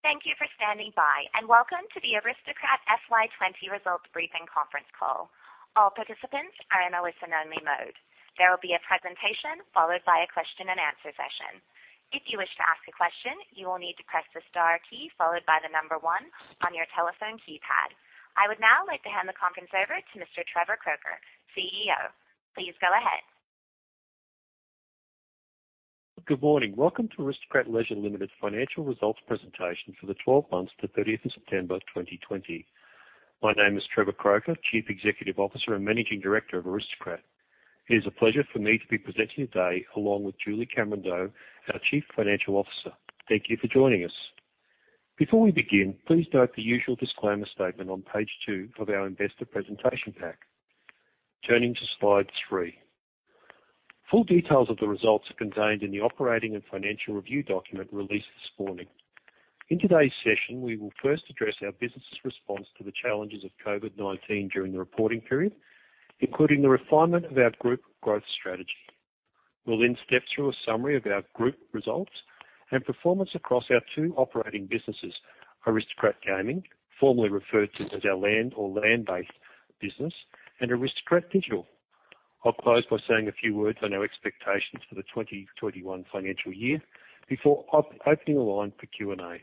Thank you for standing by, and welcome to the Aristocrat FY2020 results briefing conference call. All participants are in a listen-only mode. There will be a presentation followed by a question-and-answer session. If you wish to ask a question, you will need to press the star key followed by the number one on your telephone keypad. I would now like to hand the conference over to Mr. Trevor Croker, CEO. Please go ahead. Good morning. Welcome to Aristocrat Leisure Limited's financial results presentation for the 12 months to 30th of September 2020. My name is Trevor Croker, Chief Executive Officer and Managing Director of Aristocrat. It is a pleasure for me to be presenting today along with Julie Cameron-Doe, our Chief Financial Officer. Thank you for joining us. Before we begin, please note the usual disclaimer statement on page two of our investor presentation pack. Turning to slide three. Full details of the results are contained in the operating and financial review document released this morning. In today's session, we will first address our business's response to the challenges of COVID-19 during the reporting period, including the refinement of our group growth strategy. We'll then step through a summary of our group results and performance across our two operating businesses: Aristocrat Gaming, formerly referred to as our land or land-based business, and Aristocrat Digital. I'll close by saying a few words on our expectations for the 2021 financial year before opening the line for Q&A.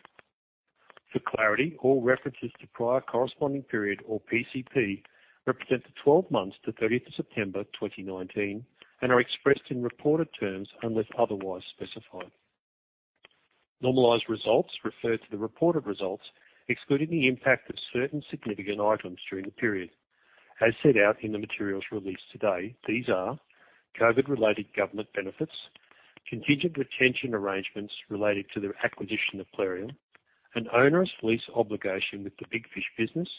For clarity, all references to prior corresponding period or PCP represent the 12 months to 30th of September 2019 and are expressed in reported terms unless otherwise specified. Normalized results refer to the reported results excluding the impact of certain significant items during the period. As set out in the materials released today, these are: COVID-related government benefits, contingent retention arrangements related to the acquisition of Plarium, an onerous lease obligation with the Big Fish business,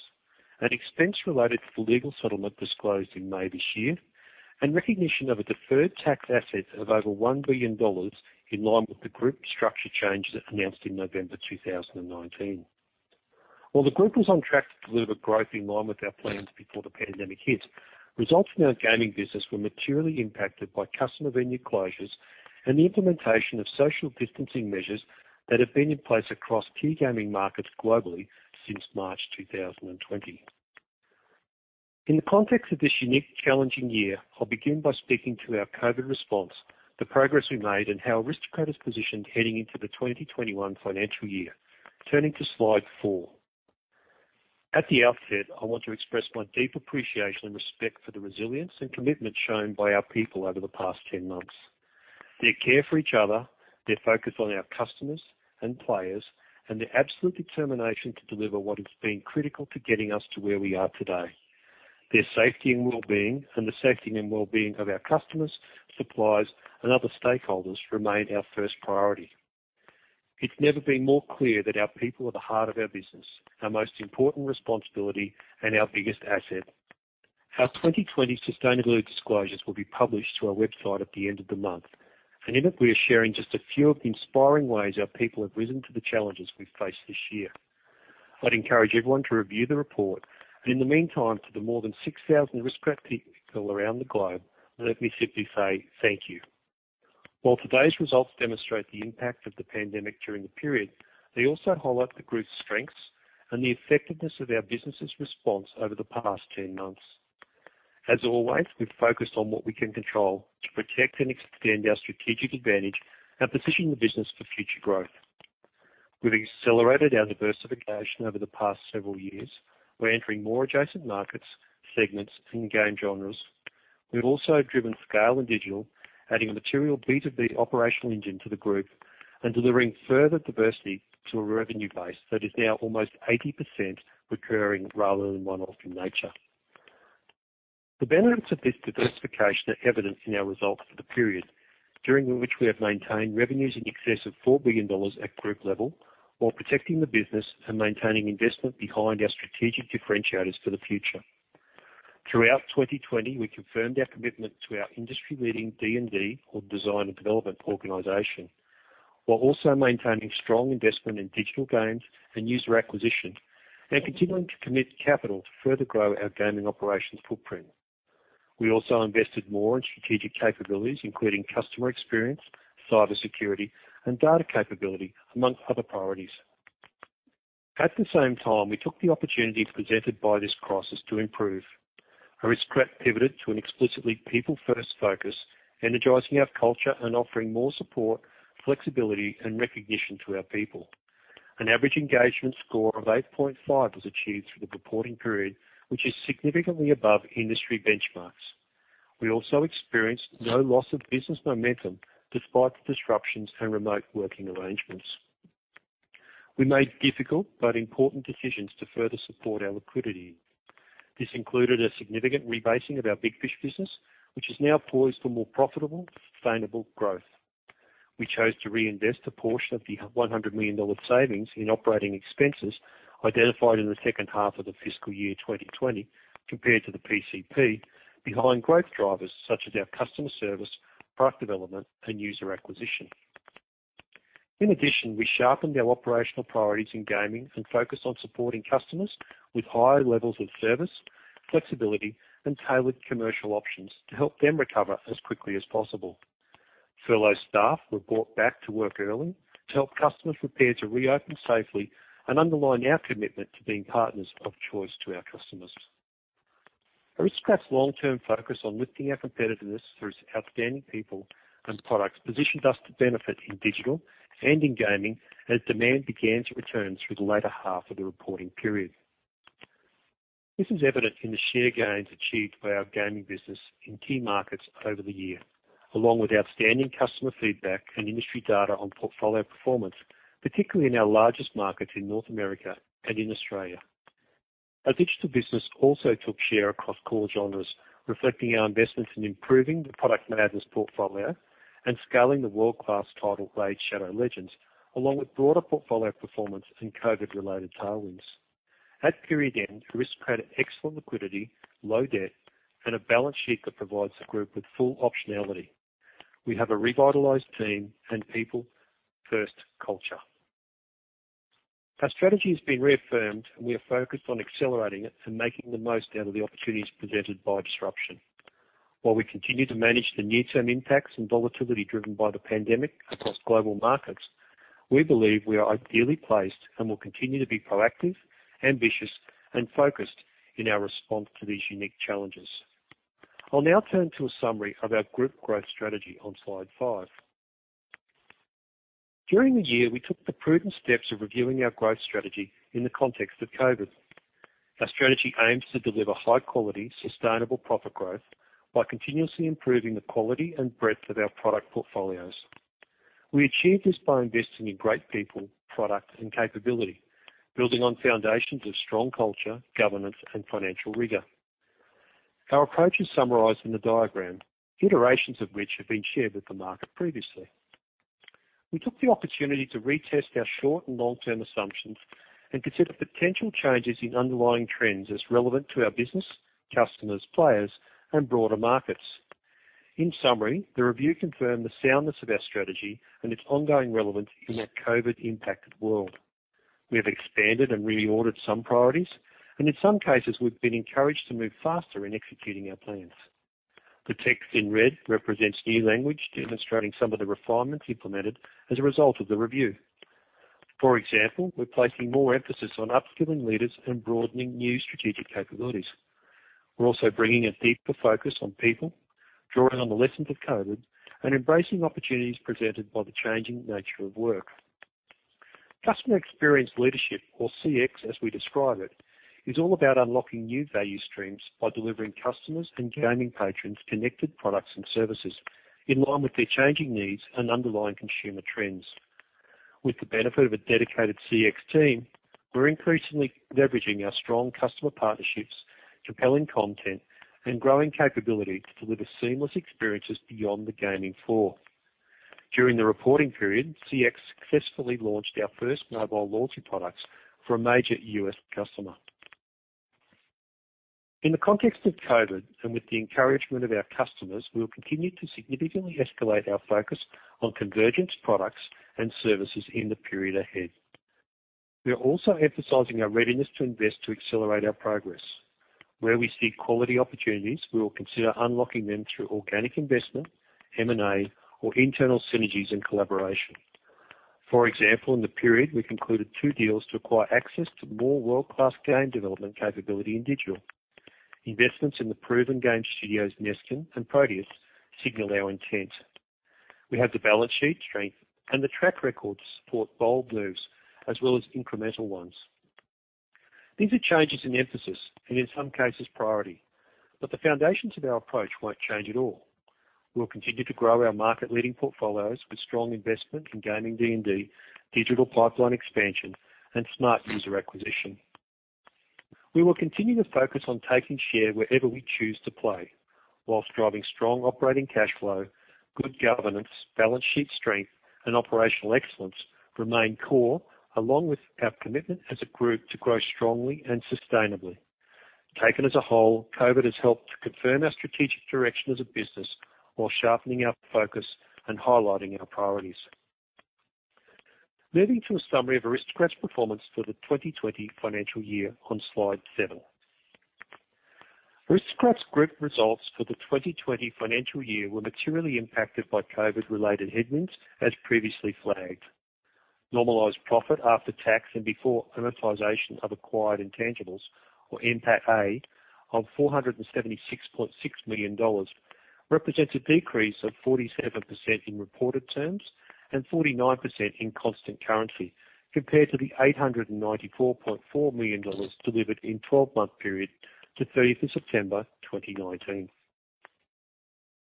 an expense related to the legal settlement disclosed in May this year, and recognition of a deferred tax asset of over $1 billion in line with the group structure changes announced in November 2019. While the group was on track to deliver growth in line with our plans before the pandemic hit, results in our gaming business were materially impacted by customer venue closures and the implementation of social distancing measures that have been in place across key gaming markets globally since March 2020. In the context of this unique, challenging year, I'll begin by speaking to our COVID response, the progress we made, and how Aristocrat has positioned heading into the 2021 financial year. Turning to slide four. At the outset, I want to express my deep appreciation and respect for the resilience and commitment shown by our people over the past 10 months. Their care for each other, their focus on our customers and players, and their absolute determination to deliver have been critical to getting us to where we are today. Their safety and well-being, and the safety and well-being of our customers, suppliers, and other stakeholders remain our first priority. It's never been more clear that our people are the heart of our business, our most important responsibility, and our biggest asset. Our 2020 sustainability disclosures will be published to our website at the end of the month, and in it, we are sharing just a few of the inspiring ways our people have risen to the challenges we've faced this year. I'd encourage everyone to review the report, and in the meantime, to the more than 6,000 Aristocrat people around the globe, let me simply say thank you. While today's results demonstrate the impact of the pandemic during the period, they also highlight the group's strengths and the effectiveness of our business's response over the past 10 months. As always, we've focused on what we can control to protect and extend our strategic advantage and position the business for future growth. We've accelerated our diversification over the past several years. We're entering more adjacent markets, segments, and game genres. We've also driven scale in digital, adding a material B2B operational engine to the group and delivering further diversity to a revenue base that is now almost 80% recurring rather than one-off in nature. The benefits of this diversification are evident in our results for the period, during which we have maintained revenues in excess of $4 billion at group level while protecting the business and maintaining investment behind our strategic differentiators for the future. Throughout 2020, we confirmed our commitment to our industry-leading D&D, or design and development organization, while also maintaining strong investment in digital games and user acquisition and continuing to commit capital to further grow our gaming operations footprint. We also invested more in strategic capabilities, including customer experience, cybersecurity, and data capability, among other priorities. At the same time, we took the opportunities presented by this crisis to improve. Aristocrat pivoted to an explicitly people-first focus, energizing our culture and offering more support, flexibility, and recognition to our people. An average engagement score of 8.5 was achieved through the reporting period, which is significantly above industry benchmarks. We also experienced no loss of business momentum despite the disruptions and remote working arrangements. We made difficult but important decisions to further support our liquidity. This included a significant rebasing of our Big Fish business, which is now poised for more profitable, sustainable growth. We chose to reinvest a portion of the $100 million savings in operating expenses identified in the second half of the fiscal year 2020 compared to the PCP behind growth drivers such as our customer service, product development, and user acquisition. In addition, we sharpened our operational priorities in gaming and focused on supporting customers with higher levels of service, flexibility, and tailored commercial options to help them recover as quickly as possible. Furloughed staff were brought back to work early to help customers prepare to reopen safely and underline our commitment to being partners of choice to our customers. Aristocrat's long-term focus on lifting our competitiveness through its outstanding people and products positioned us to benefit in digital and in gaming as demand began to return through the later half of the reporting period. This is evident in the share gains achieved by our gaming business in key markets over the year, along with outstanding customer feedback and industry data on portfolio performance, particularly in our largest markets in North America and in Australia. Our digital business also took share across core genres, reflecting our investments in improving the product management portfolio and scaling the world-class title Raid: Shadow Legends, along with broader portfolio performance and COVID-related tailwinds. At period end, Aristocrat had excellent liquidity, low debt, and a balance sheet that provides the group with full optionality. We have a revitalized team and people-first culture. Our strategy has been reaffirmed, and we are focused on accelerating it and making the most out of the opportunities presented by disruption. While we continue to manage the near-term impacts and volatility driven by the pandemic across global markets, we believe we are ideally placed and will continue to be proactive, ambitious, and focused in our response to these unique challenges. I'll now turn to a summary of our group growth strategy on slide five. During the year, we took the prudent steps of reviewing our growth strategy in the context of COVID. Our strategy aims to deliver high-quality, sustainable profit growth by continuously improving the quality and breadth of our product portfolios. We achieved this by investing in great people, product, and capability, building on foundations of strong culture, governance, and financial rigor. Our approach is summarized in the diagram, iterations of which have been shared with the market previously. We took the opportunity to retest our short and long-term assumptions and consider potential changes in underlying trends as relevant to our business, customers, players, and broader markets. In summary, the review confirmed the soundness of our strategy and its ongoing relevance in that COVID-impacted world. We have expanded and reordered some priorities, and in some cases, we've been encouraged to move faster in executing our plans. The text in red represents new language demonstrating some of the refinements implemented as a result of the review. For example, we're placing more emphasis on upskilling leaders and broadening new strategic capabilities. We're also bringing a deeper focus on people, drawing on the lessons of COVID, and embracing opportunities presented by the changing nature of work. Customer experience leadership, or CX, as we describe it, is all about unlocking new value streams by delivering customers and gaming patrons connected products and services in line with their changing needs and underlying consumer trends. With the benefit of a dedicated CX team, we're increasingly leveraging our strong customer partnerships, compelling content, and growing capability to deliver seamless experiences beyond the gaming floor. During the reporting period, CX successfully launched our first mobile loyalty products for a major U.S. customer. In the context of COVID and with the encouragement of our customers, we'll continue to significantly escalate our focus on convergence products and services in the period ahead. We are also emphasizing our readiness to invest to accelerate our progress. Where we see quality opportunities, we will consider unlocking them through organic investment, M&A, or internal synergies and collaboration. For example, in the period, we concluded two deals to acquire access to more world-class game development capability in digital. Investments in the proven game studios Neskin and Proteus signal our intent. We have the balance sheet strength and the track record to support bold moves as well as incremental ones. These are changes in emphasis and, in some cases, priority, but the foundations of our approach will not change at all. We will continue to grow our market-leading portfolios with strong investment in gaming D&D, digital pipeline expansion, and smart user acquisition. We will continue to focus on taking share wherever we choose to play whilst driving strong operating cash flow, good governance, balance sheet strength, and operational excellence remain core along with our commitment as a group to grow strongly and sustainably. Taken as a whole, COVID has helped to confirm our strategic direction as a business while sharpening our focus and highlighting our priorities. Moving to a summary of Aristocrat's performance for the 2020 financial year on slide seven. Aristocrat's group results for the 2020 financial year were materially impacted by COVID-related headwinds as previously flagged. Normalized profit after tax and before amortization of acquired intangibles, or IMPACT A, of $476.6 million represents a decrease of 47% in reported terms and 49% in constant currency compared to the $894.4 million delivered in the 12-month period to 30th of September 2019.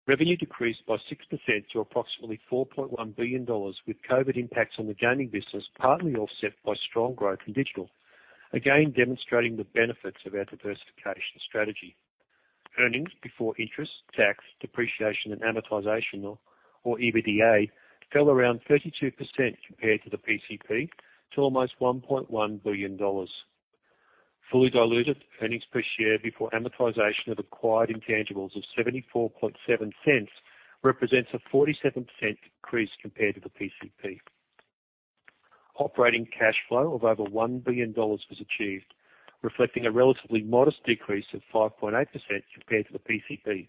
Revenue decreased by 6% to approximately $4.1 billion, with COVID impacts on the gaming business partly offset by strong growth in digital, again demonstrating the benefits of our diversification strategy. Earnings before interest, tax, depreciation, and amortization, or EBITDA, fell around 32% compared to the PCP to almost $1.1 billion. Fully diluted earnings per share before amortization of acquired intangibles of $0.747 represents a 47% increase compared to the PCP. Operating cash flow of over $1 billion was achieved, reflecting a relatively modest decrease of 5.8% compared to the PCP.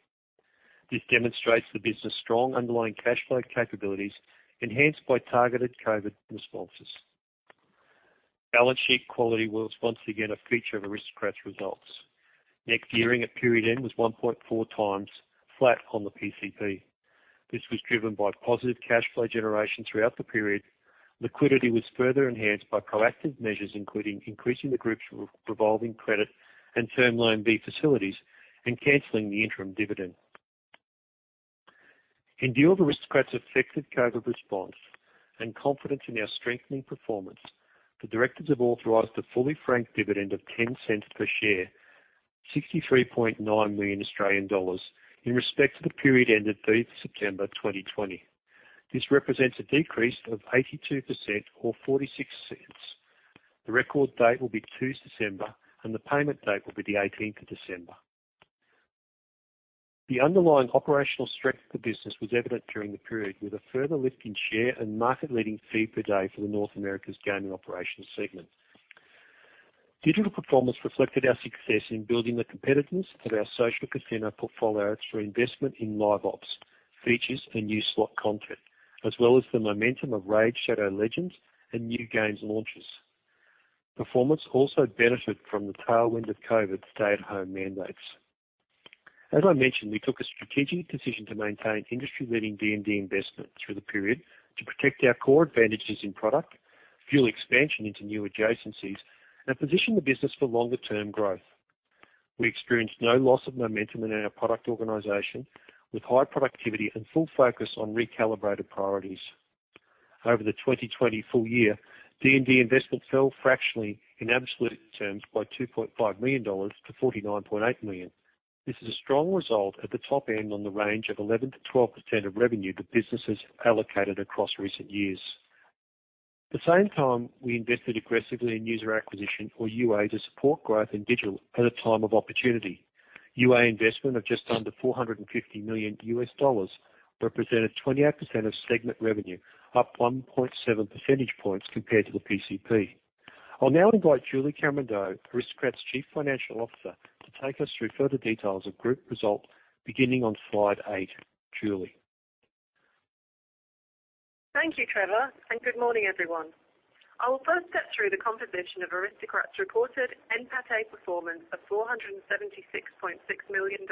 This demonstrates the business's strong underlying cash flow capabilities enhanced by targeted COVID responses. Balance sheet quality was once again a feature of Aristocrat's results. Net gearing at period end was 1.4 times, flat on the PCP. This was driven by positive cash flow generation throughout the period. Liquidity was further enhanced by proactive measures, including increasing the group's revolving credit and term loan B facilities and canceling the interim dividend. In view of Aristocrat's effective COVID response and confidence in our strengthening performance, the directors have authorized a fully franked dividend of $0.10 per share, $63.9 million in respect to the period ended 30th of September 2020. This represents a decrease of 82% or $0.46. The record date will be 2 December, and the payment date will be the 18th of December. The underlying operational strength of the business was evident during the period, with a further lift in share and market-leading fee per day for the North America's gaming operations segment. Digital performance reflected our success in building the competitiveness of our social casino portfolio through investment in live ops, features, and new slot content, as well as the momentum of Raid: Shadow Legends and new games launches. Performance also benefited from the tailwind of COVID stay-at-home mandates. As I mentioned, we took a strategic decision to maintain industry-leading D&D investment through the period to protect our core advantages in product, fuel expansion into new adjacencies, and position the business for longer-term growth. We experienced no loss of momentum in our product organization, with high productivity and full focus on recalibrated priorities. Over the 2020 full year, D&D investment fell fractionally in absolute terms by $2.5 million to $49.8 million. This is a strong result at the top end of the range of 11-12% of revenue the business has allocated across recent years. At the same time, we invested aggressively in user acquisition, or UA, to support growth in digital at a time of opportunity. UA investment of just under $450 million represented 28% of segment revenue, up 1.7 percentage points compared to the PCP. I'll now invite Julie Cameron-Doe, Aristocrat's Chief Financial Officer, to take us through further details of group result, beginning on slide eight. Julie. Thank you, Trevor, and good morning, everyone. I will first go through the composition of Aristocrat's reported IMPACT A performance of $476.6 million,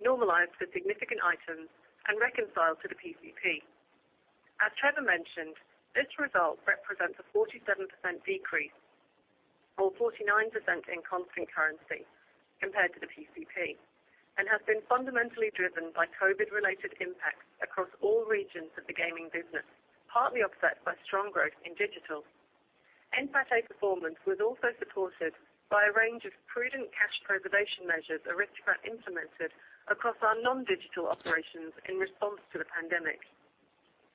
normalized for significant items, and reconciled to the PCP. As Trevor mentioned, this result represents a 47% decrease, or 49% in constant currency compared to the PCP, and has been fundamentally driven by COVID-related impacts across all regions of the gaming business, partly offset by strong growth in digital. IMPACT A performance was also supported by a range of prudent cash preservation measures Aristocrat implemented across our non-digital operations in response to the pandemic.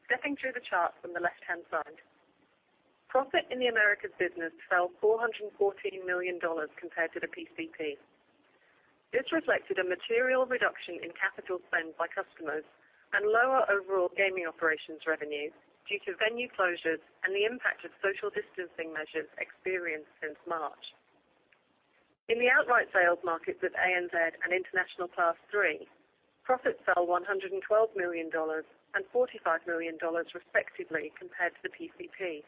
Stepping through the chart from the left-hand side, profit in the America's business fell $414 million compared to the PCP. This reflected a material reduction in capital spend by customers and lower overall gaming operations revenue due to venue closures and the impact of social distancing measures experienced since March. In the outright sales markets of ANZ and International Class 3, profit fell $112 million and $45 million, respectively, compared to the PCP,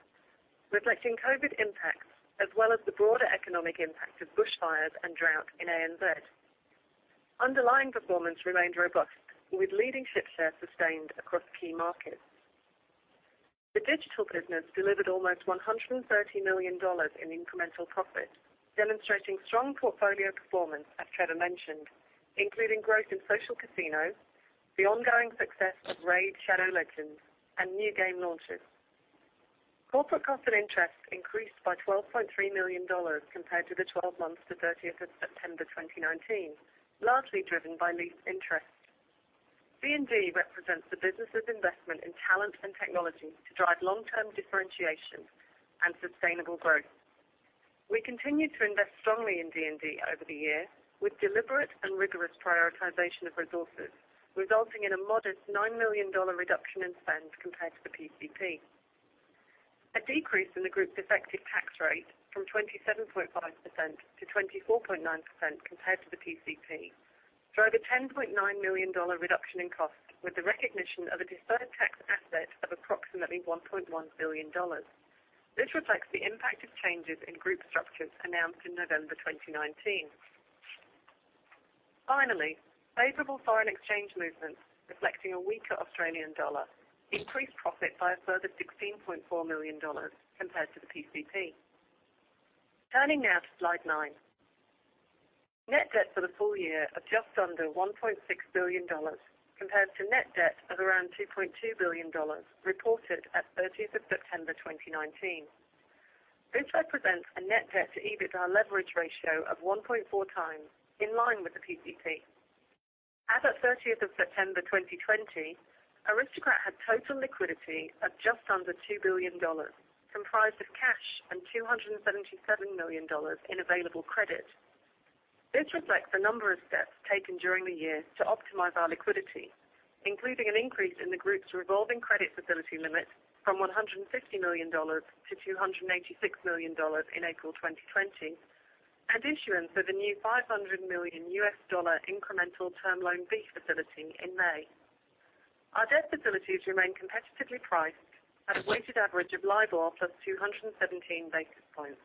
reflecting COVID impacts as well as the broader economic impact of bushfires and drought in ANZ. Underlying performance remained robust, with leading ship share sustained across key markets. The digital business delivered almost $130 million in incremental profit, demonstrating strong portfolio performance, as Trevor mentioned, including growth in social casinos, the ongoing success of Raid: Shadow Legends, and new game launches. Corporate cost and interest increased by $12.3 million compared to the 12 months to 30th of September 2019, largely driven by lease interest. D&D represents the business's investment in talent and technology to drive long-term differentiation and sustainable growth. We continue to invest strongly in D&D over the year with deliberate and rigorous prioritization of resources, resulting in a modest $9 million reduction in spend compared to the PCP. A decrease in the group's effective tax rate from 27.5% to 24.9% compared to the PCP drove a $10.9 million reduction in cost with the recognition of a deferred tax asset of approximately 1.1 billion dollars. This reflects the impact of changes in group structures announced in November 2019. Finally, favorable foreign exchange movements reflecting a weaker Australian dollar increased profit by a further $16.4 million compared to the PCP. Turning now to slide nine, net debt for the full year of just under 1.6 billion dollars compared to net debt of around 2.2 billion dollars reported at 30th of September 2019. This represents a net debt-to-EBITDA leverage ratio of 1.4 times in line with the PCP. As of 30th of September 2020, Aristocrat had total liquidity of just under $2 billion, comprised of cash and $277 million in available credit. This reflects the number of steps taken during the year to optimize our liquidity, including an increase in the group's revolving credit facility limit from $150 million to $286 million in April 2020 and issuance of a new $500 million incremental term loan B facility in May. Our debt facilities remain competitively priced at a weighted average of Libor plus 217 basis points.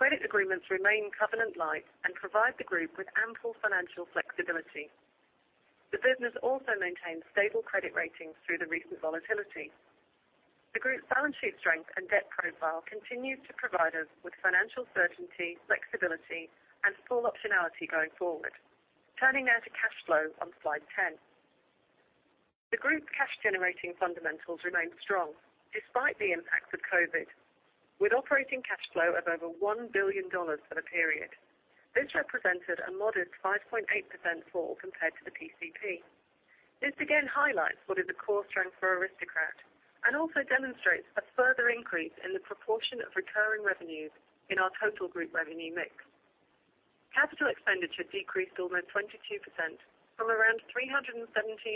Credit agreements remain covenant-like and provide the group with ample financial flexibility. The business also maintains stable credit ratings through the recent volatility. The group's balance sheet strength and debt profile continue to provide us with financial certainty, flexibility, and full optionality going forward. Turning now to cash flow on slide ten, the group's cash-generating fundamentals remain strong despite the impacts of COVID, with operating cash flow of over $1 billion for the period. This represented a modest 5.8% fall compared to the PCP. This again highlights what is a core strength for Aristocrat and also demonstrates a further increase in the proportion of recurring revenues in our total group revenue mix. Capital expenditure decreased almost 22% from around $317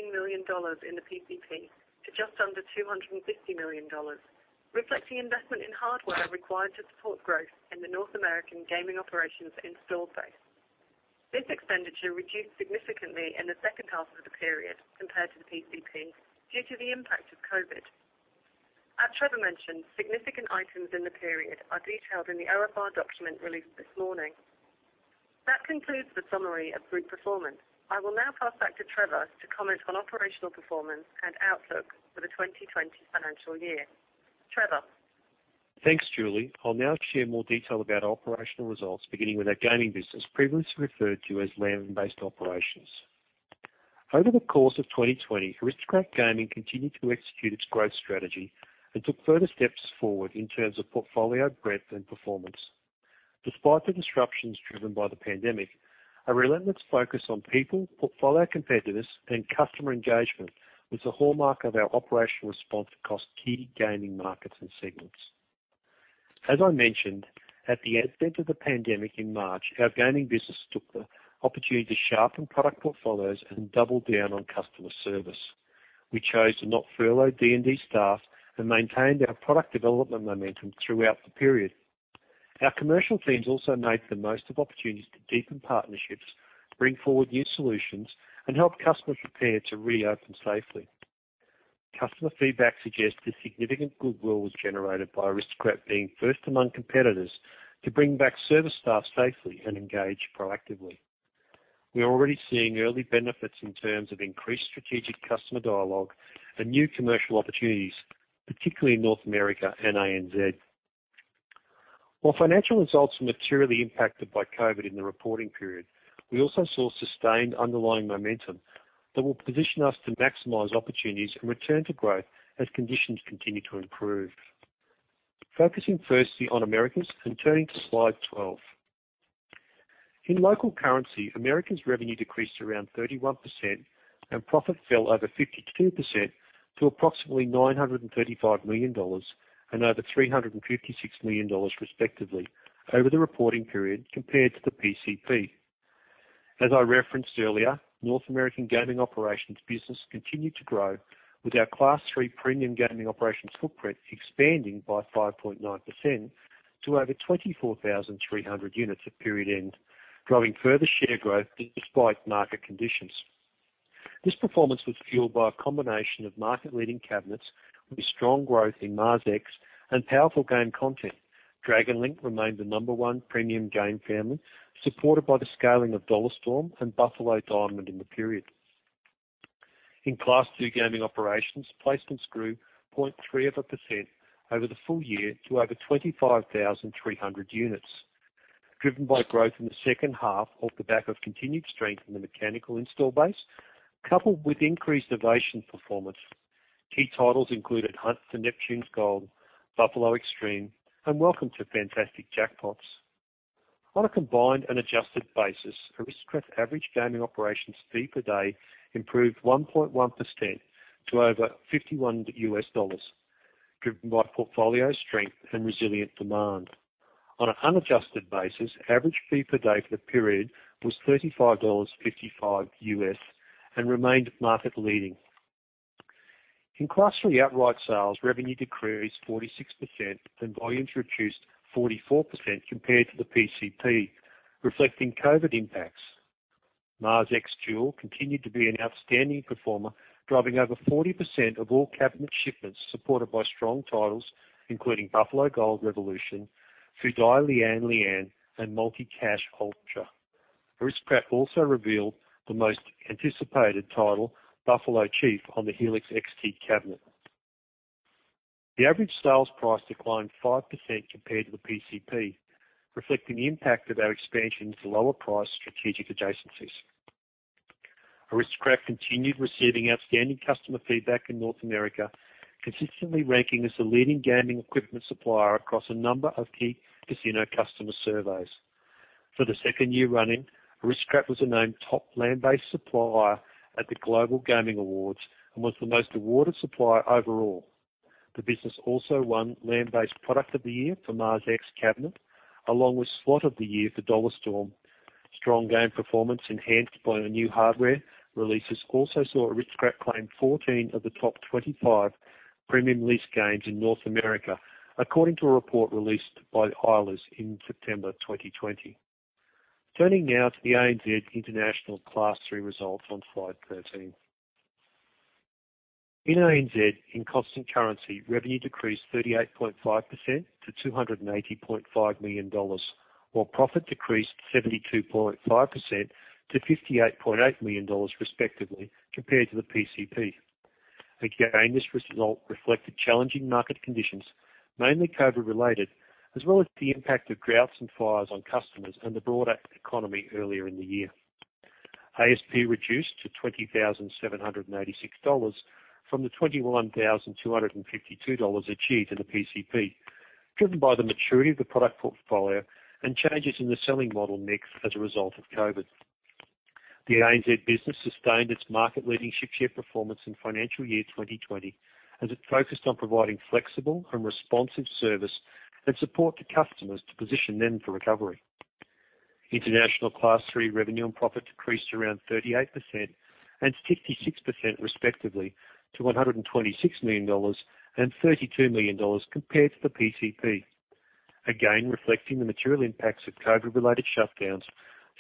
million in the PCP to just under $250 million, reflecting investment in hardware required to support growth in the North American gaming operations installed base. This expenditure reduced significantly in the second half of the period compared to the PCP due to the impact of COVID. As Trevor mentioned, significant items in the period are detailed in the OFR document released this morning. That concludes the summary of group performance. I will now pass back to Trevor to comment on operational performance and outlook for the 2020 financial year. Trevor. Thanks, Julie. I'll now share more detail about our operational results, beginning with our gaming business, previously referred to as land-based operations. Over the course of 2020, Aristocrat Gaming continued to execute its growth strategy and took further steps forward in terms of portfolio breadth and performance. Despite the disruptions driven by the pandemic, a relentless focus on people, portfolio competitiveness, and customer engagement was the hallmark of our operational response across key gaming markets and segments. As I mentioned, at the end of the pandemic in March, our gaming business took the opportunity to sharpen product portfolios and double down on customer service. We chose to not furlough D&D staff and maintained our product development momentum throughout the period. Our commercial teams also made the most of opportunities to deepen partnerships, bring forward new solutions, and help customers prepare to reopen safely. Customer feedback suggests that significant goodwill was generated by Aristocrat being first among competitors to bring back service staff safely and engage proactively. We are already seeing early benefits in terms of increased strategic customer dialogue and new commercial opportunities, particularly in North America and ANZ. While financial results were materially impacted by COVID in the reporting period, we also saw sustained underlying momentum that will position us to maximize opportunities and return to growth as conditions continue to improve. Focusing firstly on Americas and turning to slide 12. In local currency, Americas revenue decreased around 31% and profit fell over 52% to approximately $935 million and over $356 million, respectively, over the reporting period compared to the PCP. As I referenced earlier, North American gaming operations business continued to grow with our Class 3 premium gaming operations footprint expanding by 5.9% to over 24,300 units at period end, drawing further share growth despite market conditions. This performance was fueled by a combination of market-leading cabinets with strong growth in Mars X and powerful game content. Dragon Link remained the number one premium game family, supported by the scaling of Dollar Storm and Buffalo Diamond in the period. In Class 2 gaming operations, placements grew 0.3% over the full year to over 25,300 units, driven by growth in the second half off the back of continued strength in the mechanical install base, coupled with increased ovation performance. Key titles included Hunt for Neptune's Gold, Buffalo Extreme, and Welcome to Fantastic Jackpots. On a combined and adjusted basis, Aristocrat's average gaming operations fee per day improved 1.1% to over $51, driven by portfolio strength and resilient demand. On an unadjusted basis, average fee per day for the period was $35.55 and remained market-leading. In Class 3 outright sales, revenue decreased 46% and volumes reduced 44% compared to the PCP, reflecting COVID impacts. Mars X Duel continued to be an outstanding performer, driving over 40% of all cabinet shipments supported by strong titles including Buffalo Gold Revolution, Fudai Liang Liang, and Multi Cash Ultra. Aristocrat also revealed the most anticipated title, Buffalo Chief, on the Helix XT cabinet. The average sales price declined 5% compared to the PCP, reflecting the impact of our expansion into lower-priced strategic adjacencies. Aristocrat continued receiving outstanding customer feedback in North America, consistently ranking as the leading gaming equipment supplier across a number of key casino customer surveys. For the second year running, Aristocrat was a named top land-based supplier at the Global Gaming Awards and was the most awarded supplier overall. The business also won Land-Based Product of the Year for Mars X Cabinet, along with Slot of the Year for Dollar Storm. Strong game performance enhanced by the new hardware releases also saw Aristocrat claim 14 of the top 25 premium lease games in North America, according to a report released by Islas in September 2020. Turning now to the ANZ International Class 3 results on slide 13. In ANZ, in constant currency, revenue decreased 38.5% to 280.5 million dollars, while profit decreased 72.5% to 58.8 million dollars, respectively, compared to the PCP. Again, this result reflected challenging market conditions, mainly COVID-related, as well as the impact of droughts and fires on customers and the broader economy earlier in the year. ASP reduced to $20,786 from the $21,252 achieved in the PCP, driven by the maturity of the product portfolio and changes in the selling model mix as a result of COVID. The ANZ business sustained its market-leading ship share performance in financial year 2020 as it focused on providing flexible and responsive service and support to customers to position them for recovery. International Class 3 revenue and profit decreased around 38% and 56%, respectively, to $126 million and $32 million compared to the PCP, again reflecting the material impacts of COVID-related shutdowns,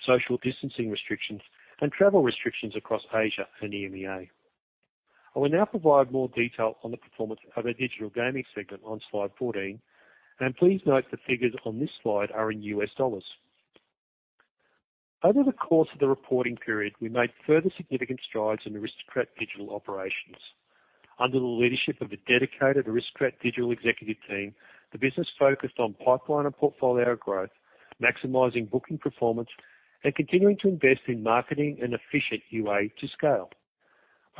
social distancing restrictions, and travel restrictions across Asia and EMEA. I will now provide more detail on the performance of our digital gaming segment on slide 14, and please note the figures on this slide are in U.S. dollars. Over the course of the reporting period, we made further significant strides in Aristocrat Digital Operations. Under the leadership of a dedicated Aristocrat Digital executive team, the business focused on pipeline and portfolio growth, maximizing booking performance and continuing to invest in marketing and efficient UA to scale.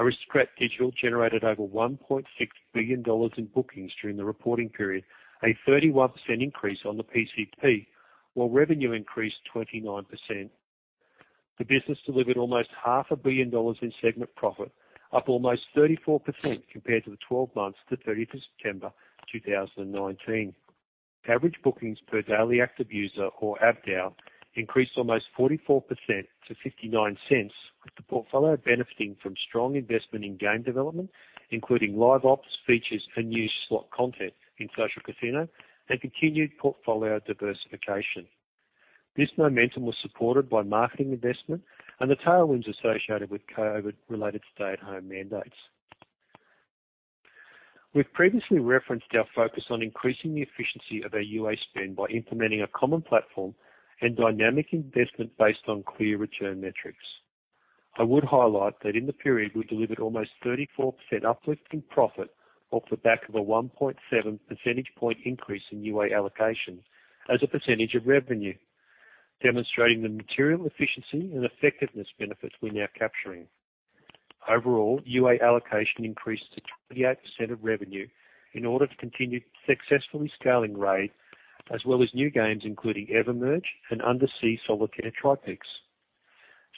Aristocrat Digital generated over $1.6 billion in bookings during the reporting period, a 31% increase on the PCP, while revenue increased 29%. The business delivered almost $500,000,000 in segment profit, up almost 34% compared to the 12 months to 30th of September 2019. Average bookings per daily active user, or ABDAU, increased almost 44% to $0.59, with the portfolio benefiting from strong investment in game development, including live ops, features, and new slot content in social casino, and continued portfolio diversification. This momentum was supported by marketing investment and the tailwinds associated with COVID-related stay-at-home mandates. We've previously referenced our focus on increasing the efficiency of our UA spend by implementing a common platform and dynamic investment based on clear return metrics. I would highlight that in the period, we delivered almost 34% uplift in profit off the back of a 1.7 percentage point increase in UA allocation as a percentage of revenue, demonstrating the material efficiency and effectiveness benefits we're now capturing. Overall, UA allocation increased to 28% of revenue in order to continue successfully scaling Raid, as well as new games including EverMerge and Undersea Solitaire Trypix.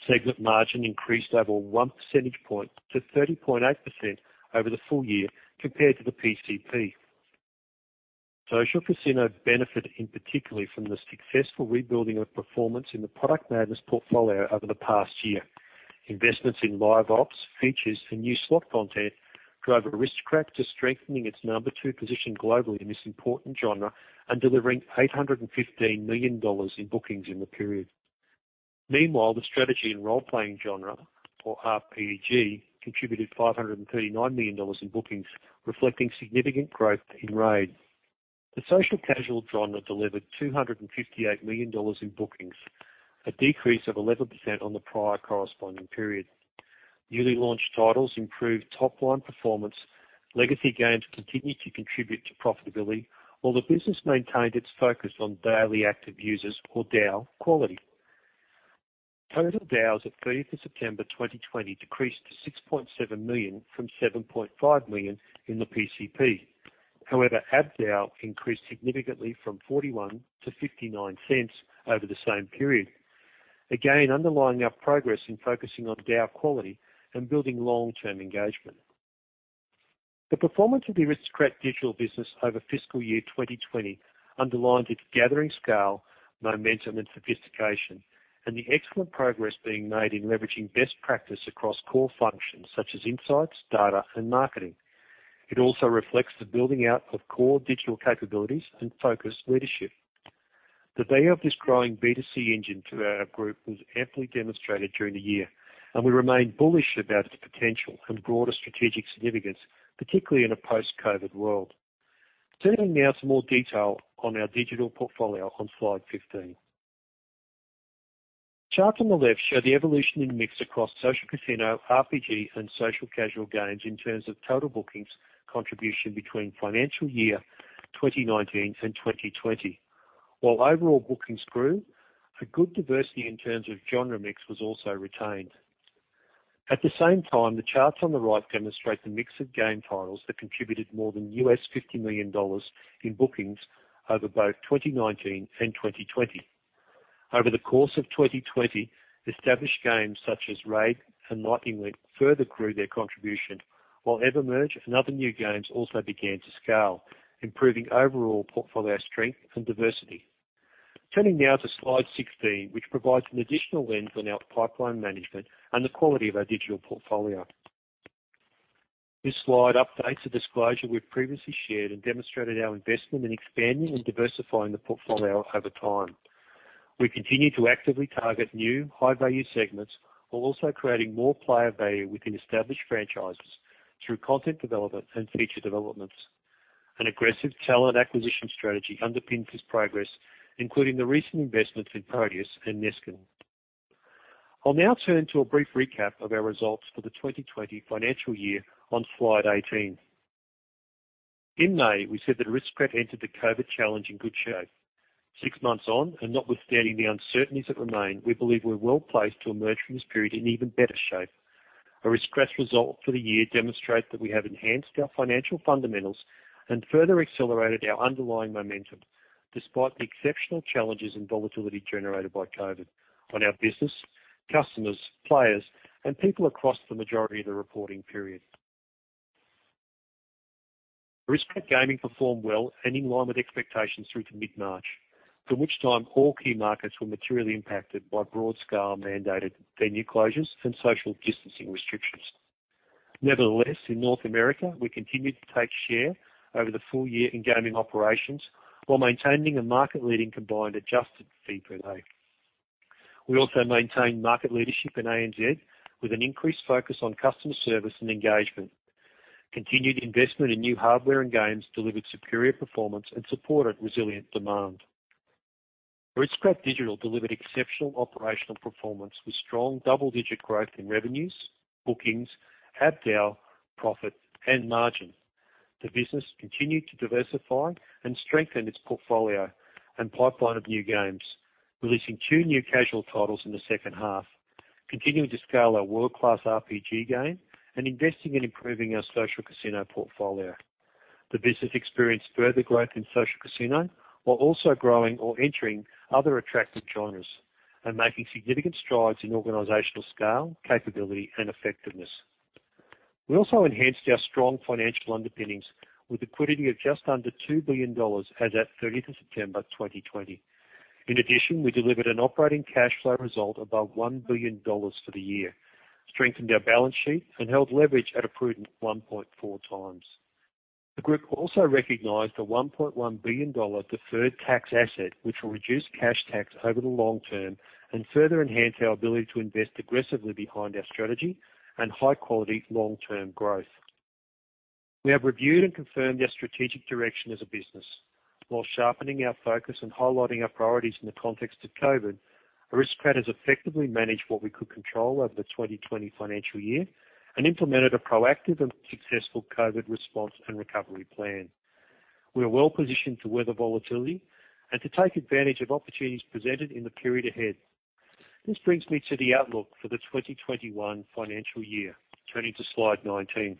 Segment margin increased over 1 percentage point to 30.8% over the full year compared to the PCP. Social casino benefited particularly from the successful rebuilding of performance in the Product Madness portfolio over the past year. Investments in live ops, features, and new slot content drove Aristocrat to strengthening its number two position globally in this important genre and delivering $815 million in bookings in the period. Meanwhile, the strategy and role-playing genre, or RPG, contributed $539 million in bookings, reflecting significant growth in RAID. The social casual genre delivered $258 million in bookings, a decrease of 11% on the prior corresponding period. Newly launched titles improved top-line performance, legacy games continued to contribute to profitability, while the business maintained its focus on daily active users, or DAU, quality. Total DAUs at 30th of September 2020 decreased to 6.7 million from 7.5 million in the PCP. However, ABDAU increased significantly from 41 to 59 cents over the same period, again underlining our progress in focusing on DAU quality and building long-term engagement. The performance of the Aristocrat Digital business over fiscal year 2020 underlined its gathering scale, momentum, and sophistication, and the excellent progress being made in leveraging best practice across core functions such as insights, data, and marketing. It also reflects the building out of core digital capabilities and focused leadership. The benefit of this growing BC engine to our group was amply demonstrated during the year, and we remain bullish about its potential and broader strategic significance, particularly in a post-COVID world. Turning now to more detail on our digital portfolio on slide 15. Charts on the left show the evolution in mix across social casino, RPG, and social casual games in terms of total bookings contribution between financial year 2019 and 2020. While overall bookings grew, a good diversity in terms of genre mix was also retained. At the same time, the charts on the right demonstrate the mix of game titles that contributed more than $50 million in bookings over both 2019 and 2020. Over the course of 2020, established games such as RAID and Lightning Link further grew their contribution, while EverMerge and other new games also began to scale, improving overall portfolio strength and diversity. Turning now to slide 16, which provides an additional lens on our pipeline management and the quality of our digital portfolio. This slide updates a disclosure we have previously shared and demonstrated our investment in expanding and diversifying the portfolio over time. We continue to actively target new, high-value segments while also creating more player value within established franchises through content development and feature developments. An aggressive talent acquisition strategy underpins this progress, including the recent investments in Proteus and Neskin. I'll now turn to a brief recap of our results for the 2020 financial year on slide 18. In May, we said that Aristocrat entered the COVID challenge in good shape. Six months on, and notwithstanding the uncertainties that remain, we believe we're well placed to emerge from this period in even better shape. Aristocrat's result for the year demonstrates that we have enhanced our financial fundamentals and further accelerated our underlying momentum, despite the exceptional challenges and volatility generated by COVID, on our business, customers, players, and people across the majority of the reporting period. Aristocrat Gaming performed well and in line with expectations through to mid-March, from which time all key markets were materially impacted by broad-scale mandated venue closures and social distancing restrictions. Nevertheless, in North America, we continued to take share over the full year in gaming operations while maintaining a market-leading combined adjusted fee per day. We also maintained market leadership in ANZ with an increased focus on customer service and engagement. Continued investment in new hardware and games delivered superior performance and supported resilient demand. Aristocrat Digital delivered exceptional operational performance with strong double-digit growth in revenues, bookings, ABDAU, profit, and margin. The business continued to diversify and strengthen its portfolio and pipeline of new games, releasing two new casual titles in the second half, continuing to scale our world-class RPG game and investing in improving our social casino portfolio. The business experienced further growth in social casino while also growing or entering other attractive genres and making significant strides in organizational scale, capability, and effectiveness. We also enhanced our strong financial underpinnings with liquidity of just under $2 billion as at 30th of September 2020. In addition, we delivered an operating cash flow result above $1 billion for the year, strengthened our balance sheet, and held leverage at a prudent 1.4 times. The group also recognized a $1.1 billion deferred tax asset, which will reduce cash tax over the long term and further enhance our ability to invest aggressively behind our strategy and high-quality long-term growth. We have reviewed and confirmed our strategic direction as a business. While sharpening our focus and highlighting our priorities in the context of COVID, Aristocrat has effectively managed what we could control over the 2020 financial year and implemented a proactive and successful COVID response and recovery plan. We are well positioned to weather volatility and to take advantage of opportunities presented in the period ahead. This brings me to the outlook for the 2021 financial year. Turning to slide 19.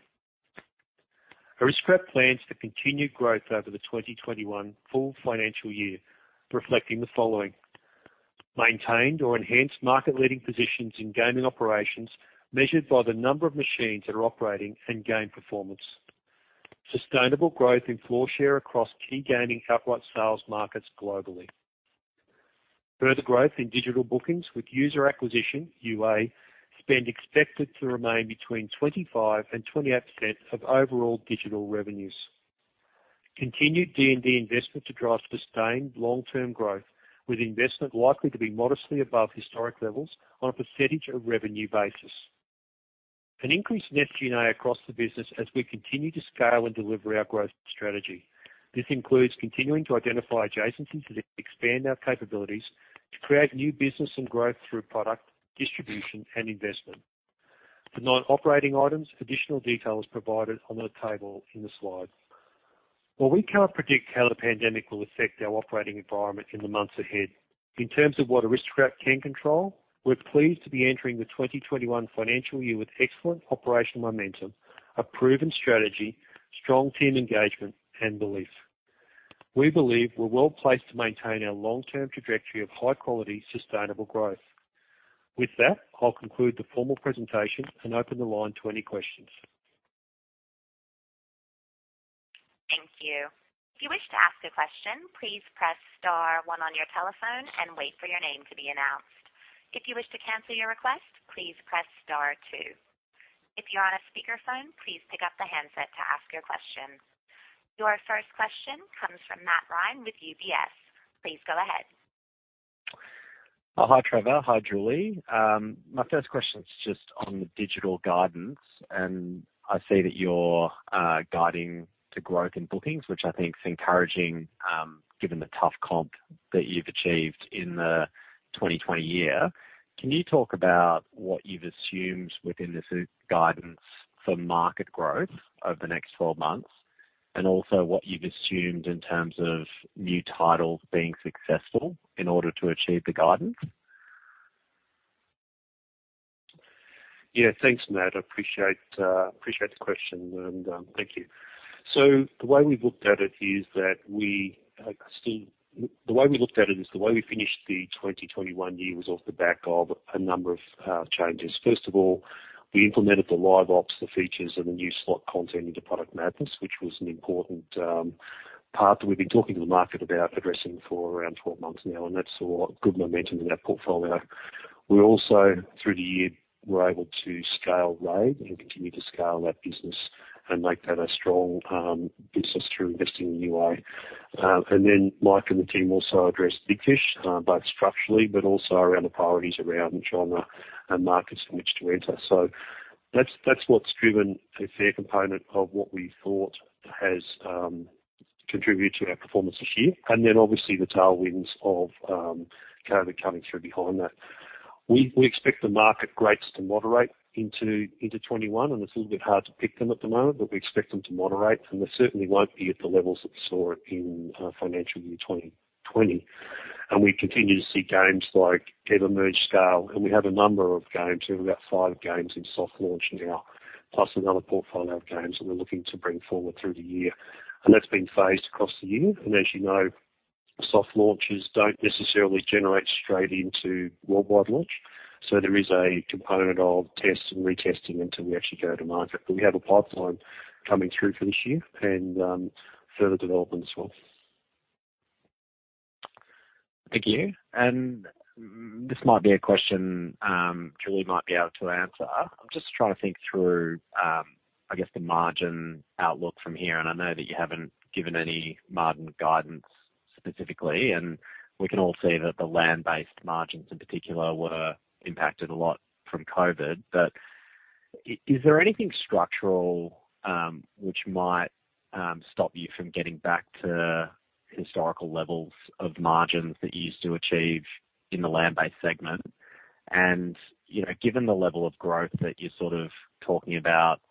Aristocrat plans to continue growth over the 2021 full financial year, reflecting the following: maintained or enhanced market-leading positions in gaming operations measured by the number of machines that are operating and game performance. Sustainable growth in floor share across key gaming outright sales markets globally. Further growth in digital bookings with user acquisition (UA) spend expected to remain between 25%-28% of overall digital revenues. Continued D&D investment to drive sustained long-term growth, with investment likely to be modestly above historic levels on a percentage of revenue basis. An increase in SG&A across the business as we continue to scale and deliver our growth strategy. This includes continuing to identify adjacencies and expand our capabilities to create new business and growth through product distribution and investment. For non-operating items, additional detail is provided on the table in the slide. While we can't predict how the pandemic will affect our operating environment in the months ahead, in terms of what Aristocrat can control, we're pleased to be entering the 2021 financial year with excellent operational momentum, a proven strategy, strong team engagement, and belief. We believe we're well placed to maintain our long-term trajectory of high-quality sustainable growth. With that, I'll conclude the formal presentation and open the line to any questions. Thank you. If you wish to ask a question, please press star one on your telephone and wait for your name to be announced. If you wish to cancel your request, please press star two. If you're on a speakerphone, please pick up the handset to ask your question. Your first question comes from Matt Ryan with UBS. Please go ahead. Hi, Trevor. Hi, Julie. My first question is just on the digital guidance, and I see that you're guiding to growth in bookings, which I think is encouraging given the tough comp that you've achieved in the 2020 year. Can you talk about what you've assumed within this guidance for market growth over the next 12 months and also what you've assumed in terms of new titles being successful in order to achieve the guidance? Yeah, thanks, Matt. I appreciate the question, and thank you. The way we looked at it is the way we finished the 2021 year was off the back of a number of changes. First of all, we implemented the live ops, the features, and the new slot content into Product Madness, which was an important part that we've been talking to the market about addressing for around 12 months now, and that's a good momentum in our portfolio. We also, through the year, were able to scale RAID and continue to scale that business and make that a strong business through investing in UA. Mike and the team also addressed Big Fish both structurally, but also around the priorities around genre and markets in which to enter. That's what's driven a fair component of what we thought has contributed to our performance this year, and obviously the tailwinds of COVID coming through behind that. We expect the market rates to moderate into 2021, and it's a little bit hard to pick them at the moment, but we expect them to moderate, and they certainly won't be at the levels that we saw in financial year 2020. We continue to see games like EverMerge scale, and we have a number of games. We have about five games in soft launch now, plus another portfolio of games that we're looking to bring forward through the year, and that's been phased across the year. As you know, soft launches don't necessarily generate straight into worldwide launch, so there is a component of test and retesting until we actually go to market. We have a pipeline coming through for this year and further development as well. Thank you. This might be a question Julie might be able to answer. I'm just trying to think through, I guess, the margin outlook from here. I know that you haven't given any margin guidance specifically, and we can all see that the land-based margins in particular were impacted a lot from COVID. Is there anything structural which might stop you from getting back to historical levels of margins that you used to achieve in the land-based segment? Given the level of growth that you're sort of talking about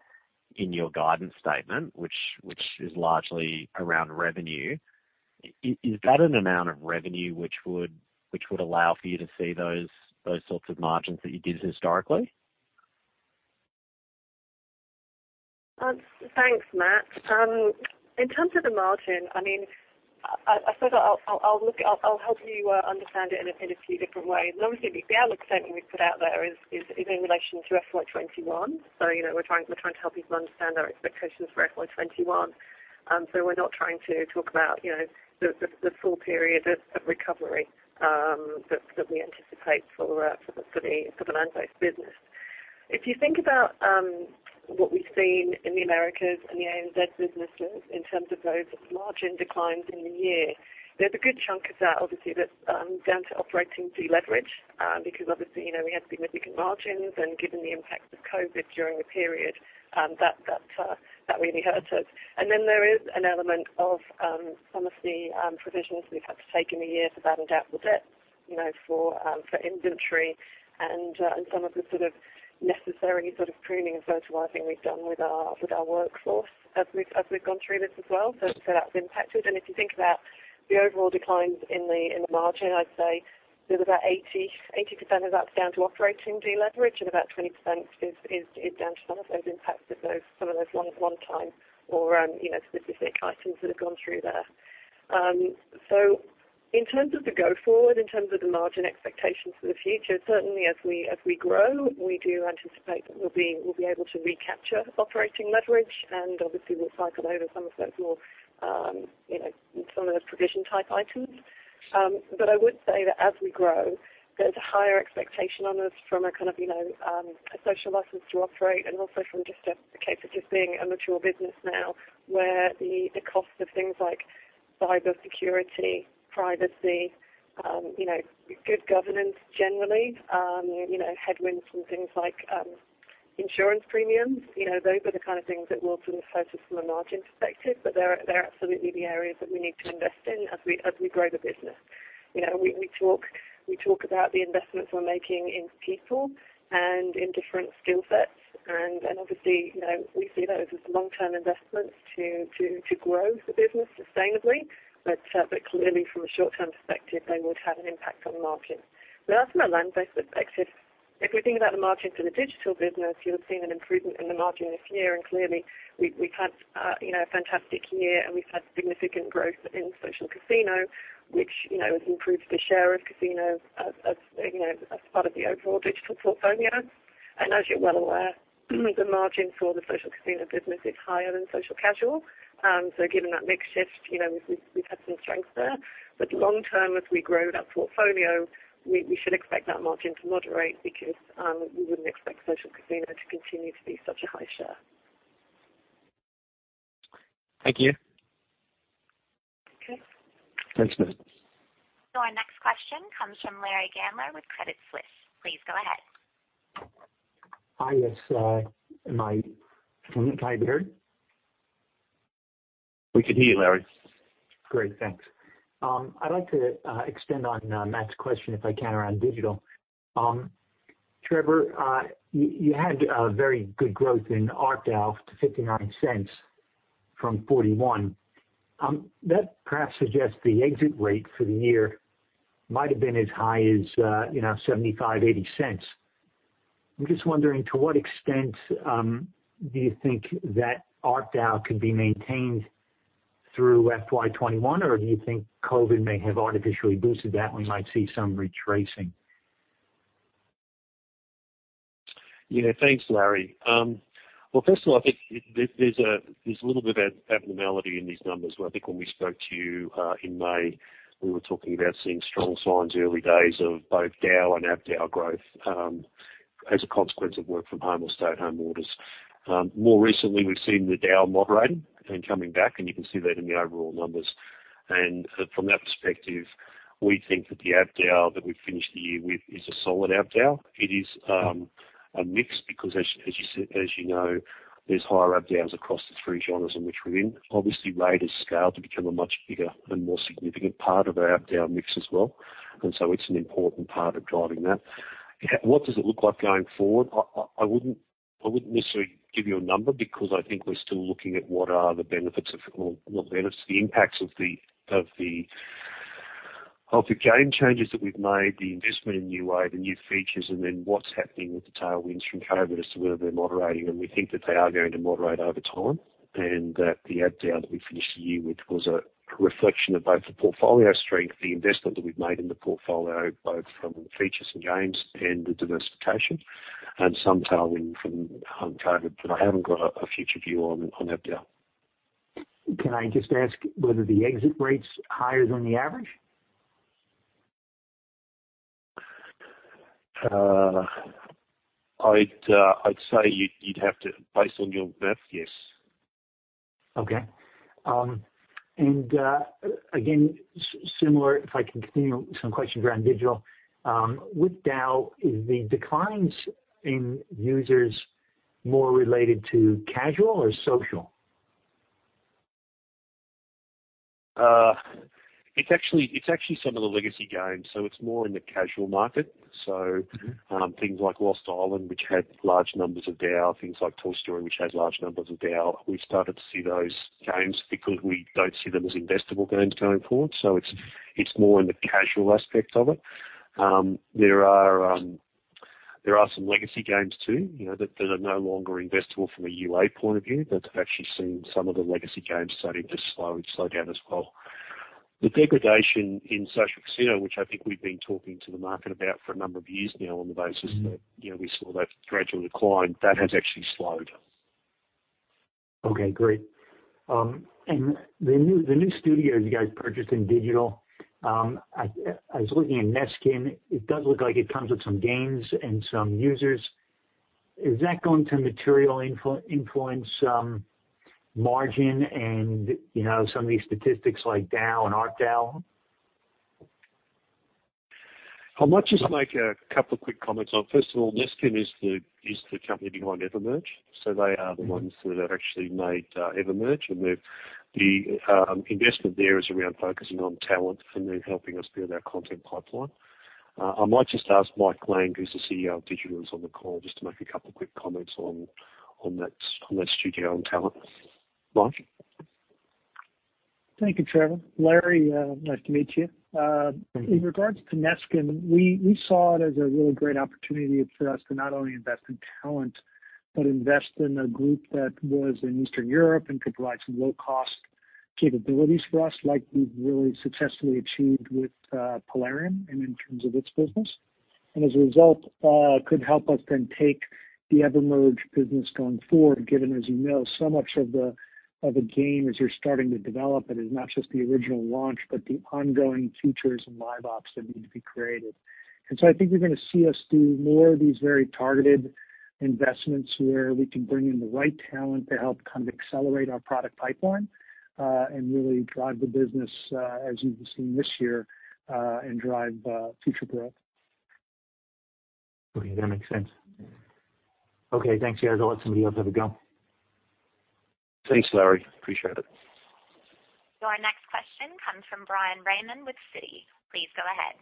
in your guidance statement, which is largely around revenue, is that an amount of revenue which would allow for you to see those sorts of margins that you did historically? Thanks, Matt. In terms of the margin, I mean, I'll help you understand it in a few different ways. Obviously, the outlook statement we've put out there is in relation to FY2021, so we're trying to help people understand our expectations for FY2021. We're not trying to talk about the full period of recovery that we anticipate for the land-based business. If you think about what we've seen in the Americas and the ANZ businesses in terms of those margin declines in the year, there's a good chunk of that, obviously, that's down to operating deleverage because, obviously, we had significant margins, and given the impact of COVID during the period, that really hurt us. There is an element of some of the provisions we've had to take in the year to balance out the debt for inventory and some of the sort of necessary sort of pruning and fertilizing we've done with our workforce as we've gone through this as well. That has impacted. If you think about the overall declines in the margin, I'd say there's about 80% of that's down to operating deleverage, and about 20% is down to some of those impacts of some of those one-time or specific items that have gone through there. In terms of the go-forward, in terms of the margin expectations for the future, certainly as we grow, we do anticipate that we'll be able to recapture operating leverage, and obviously, we'll cycle over some of those more some of those provision-type items. I would say that as we grow, there's a higher expectation on us from a kind of social license to operate and also from just a case of just being a mature business now where the cost of things like cybersecurity, privacy, good governance generally, headwinds from things like insurance premiums, those are the kind of things that will sort of hurt us from a margin perspective, but they're absolutely the areas that we need to invest in as we grow the business. We talk about the investments we're making in people and in different skill sets, and obviously, we see those as long-term investments to grow the business sustainably, but clearly, from a short-term perspective, they would have an impact on the market. That's from a land-based perspective. If we think about the margin for the digital business, you'll have seen an improvement in the margin this year, and clearly, we've had a fantastic year, and we've had significant growth in social casino, which has improved the share of casinos as part of the overall digital portfolio. As you're well aware, the margin for the social casino business is higher than social casual, so given that mixed shift, we've had some strength there. Long-term, as we grow that portfolio, we should expect that margin to moderate because we wouldn't expect social casino to continue to be such a high share. Thank you. Okay. Thanks, Matt. Our next question comes from Larry Gambler with Credit Suisse. Please go ahead. Hi, yes, am I coming through? Can you hear me? We can hear you, Larry. Great, thanks. I'd like to extend on Matt's question, if I can, around digital. Trevor, you had very good growth in ARCDAU to $0.59 from $0.41. That perhaps suggests the exit rate for the year might have been as high as $0.75-$0.80. I'm just wondering, to what extent do you think that ARCDAU could be maintained through FY2021, or do you think COVID may have artificially boosted that, and we might see some retracing? Yeah, thanks, Larry. First of all, I think there's a little bit of abnormality in these numbers. I think when we spoke to you in May, we were talking about seeing strong signs, early days of both DAU and ABDAU growth as a consequence of work-from-home or stay-at-home orders. More recently, we've seen the DAU moderating and coming back, and you can see that in the overall numbers. From that perspective, we think that the ABDAU that we've finished the year with is a solid ABDAU. It is a mix because, as you know, there's higher ABDAUs across the three genres in which we're in. Obviously, RAID has scaled to become a much bigger and more significant part of our ABDAU mix as well, and so it's an important part of driving that. What does it look like going forward? I wouldn't necessarily give you a number because I think we're still looking at what are the benefits of or not the benefits, the impacts of the game changes that we've made, the investment in UA, the new features, and then what's happening with the tailwinds from COVID as to whether they're moderating. We think that they are going to moderate over time, and that the ABDAU that we finished the year with was a reflection of both the portfolio strength, the investment that we've made in the portfolio, both from features and games and the diversification, and some tailwind from COVID, but I haven't got a future view on ABDAU. Can I just ask whether the exit rate's higher than the average? I'd say you'd have to, based on your math, yes. Okay. Again, similar, if I can continue some questions around digital, with DAU, is the declines in users more related to casual or social? It's actually some of the legacy games, so it's more in the casual market. Things like Lost Island, which had large numbers of DAU, things like Toy Story, which had large numbers of DAU, we've started to see those games because we don't see them as investable games going forward, so it's more in the casual aspect of it. There are some legacy games too that are no longer investable from a UA point of view, but actually seeing some of the legacy games starting to slow down as well. The degradation in social casino, which I think we've been talking to the market about for a number of years now on the basis that we saw that gradual decline, that has actually slowed. Okay, great. The new studios you guys purchased in digital, I was looking at Neskin. It does look like it comes with some games and some users. Is that going to materially influence margin and some of these statistics like DAU and ARCDAU? I might just make a couple of quick comments on. First of all, Neskin is the company behind EverMerge, so they are the ones that have actually made EverMerge, and the investment there is around focusing on talent and then helping us build our content pipeline. I might just ask Mike Lang, who's the CEO of Digital, on the call just to make a couple of quick comments on that studio and talent. Mike. Thank you, Trevor. Larry, nice to meet you. In regards to Neskin, we saw it as a really great opportunity for us to not only invest in talent but invest in a group that was in Eastern Europe and could provide some low-cost capabilities for us like we've really successfully achieved with Plarium and in terms of its business. As a result, could help us then take the EverMerge business going forward, given, as you know, so much of the game as you're starting to develop, it is not just the original launch but the ongoing features and live ops that need to be created. I think you're going to see us do more of these very targeted investments where we can bring in the right talent to help kind of accelerate our product pipeline and really drive the business, as you've seen this year, and drive future growth. Okay, that makes sense. Okay, thanks, guys. I'll let somebody else have a go. Thanks, Larry. Appreciate it. Our next question comes from Bryan Raymond with Citi. Please go ahead.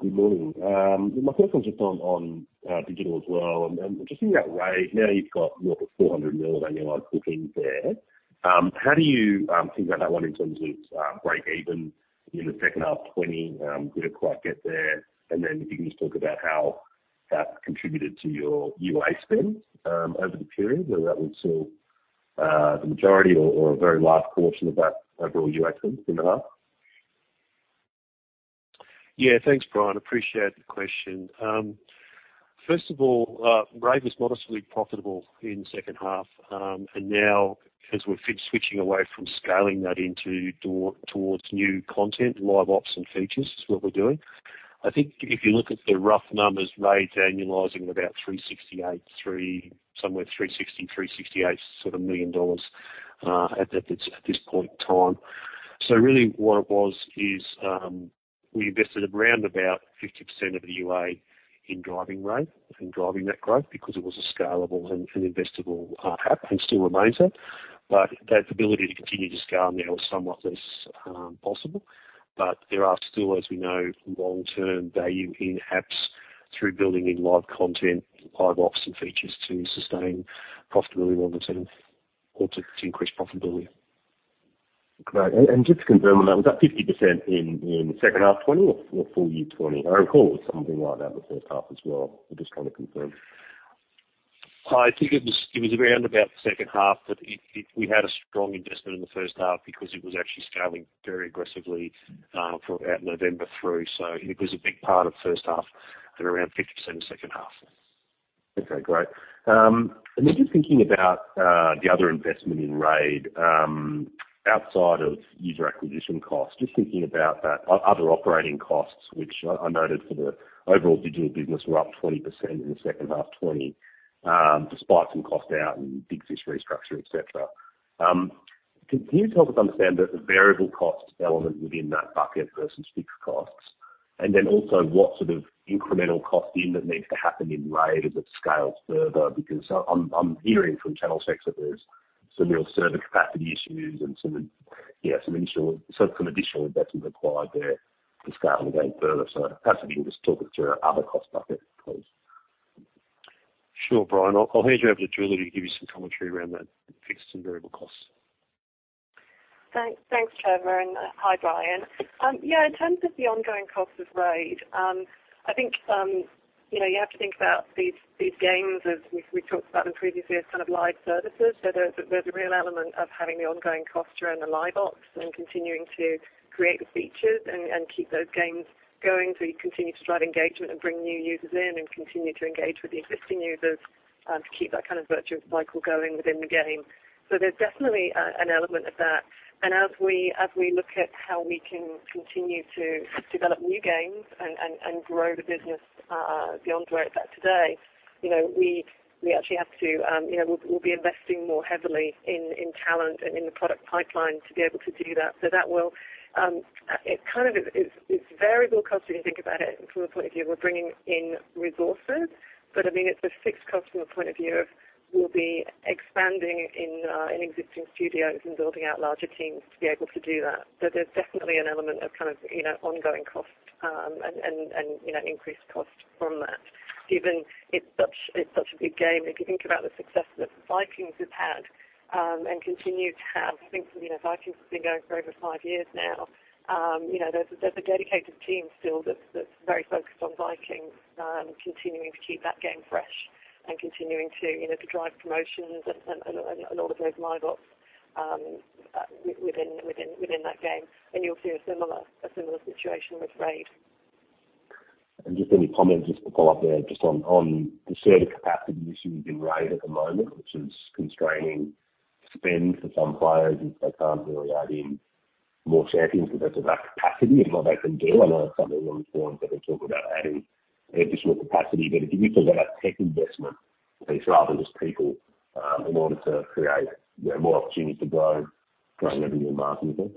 Good morning. My question's just on digital as well. Just thinking about RAID, now you've got more than 400 million on your line booking there. How do you think about that one in terms of break-even in the second half of 2020? Did it quite get there? If you can just talk about how that contributed to your UA spend over the period, whether that was still the majority or a very large portion of that overall UA spend, the second half? Yeah, thanks, Bryan. Appreciate the question. First of all, RAID was modestly profitable in the second half, and now, as we're switching away from scaling that into towards new content, live ops and features is what we're doing. I think if you look at the rough numbers, RAID's annualizing at about $368 million, somewhere $360-$368 million at this point in time. Really what it was is we invested around about 50% of the UA in driving RAID and driving that growth because it was a scalable and investable app and still remains that. That ability to continue to scale now is somewhat less possible. There are still, as we know, long-term value in apps through building in live content, live ops and features to sustain profitability longer term or to increase profitability. Great. Just to confirm on that, was that 50% in the second half 2020 or full year 2020? I recall it was something like that in the first half as well. I'm just trying to confirm. I think it was around about the second half, but we had a strong investment in the first half because it was actually scaling very aggressively from about November through, so it was a big part of the first half and around 50% of the second half. Okay, great. Just thinking about the other investment in RAID outside of user acquisition costs, just thinking about that, other operating costs, which I noted for the overall digital business were up 20% in the second half 2020 despite some cost out and Big Fish restructure, etc. Can you help us understand the variable cost element within that bucket versus fixed costs? Also, what sort of incremental costing needs to happen in RAID as it scales further because I'm hearing from Channel Tech that there's some real server capacity issues and some additional investment required there to scale again further. Perhaps if you can just talk us through other cost buckets, please. Sure, Bryan. I'll hand you over to Julie to give you some commentary around that fixed and variable costs. Thanks, Trevor, and hi, Bryan. Yeah, in terms of the ongoing cost of RAID, I think you have to think about these games as we've talked about in previous years kind of live services. There is a real element of having the ongoing cost around the live ops and continuing to create the features and keep those games going so you continue to drive engagement and bring new users in and continue to engage with the existing users to keep that kind of virtuous cycle going within the game. There is definitely an element of that. As we look at how we can continue to develop new games and grow the business beyond where it's at today, we actually have to—we'll be investing more heavily in talent and in the product pipeline to be able to do that. That will kind of, it's variable cost if you think about it from the point of view of we're bringing in resources, but I mean it's a fixed cost from the point of view of we'll be expanding in existing studios and building out larger teams to be able to do that. There's definitely an element of kind of ongoing cost and increased cost from that given it's such a big game. If you think about the success that Vikings has had and continue to have, I think Vikings has been going for over five years now. There's a dedicated team still that's very focused on Vikings, continuing to keep that game fresh and continuing to drive promotions and all of those live ops within that game. You'll see a similar situation with RAID. Just any comment just to follow up there just on the server capacity issues in RAID at the moment, which is constraining spend for some players if they can't really add in more champions because of that capacity and what they can do. I know it's something on the forum that they're talking about adding additional capacity, but if you can talk about that tech investment piece rather than just people in order to create more opportunities to grow revenue and margin as well.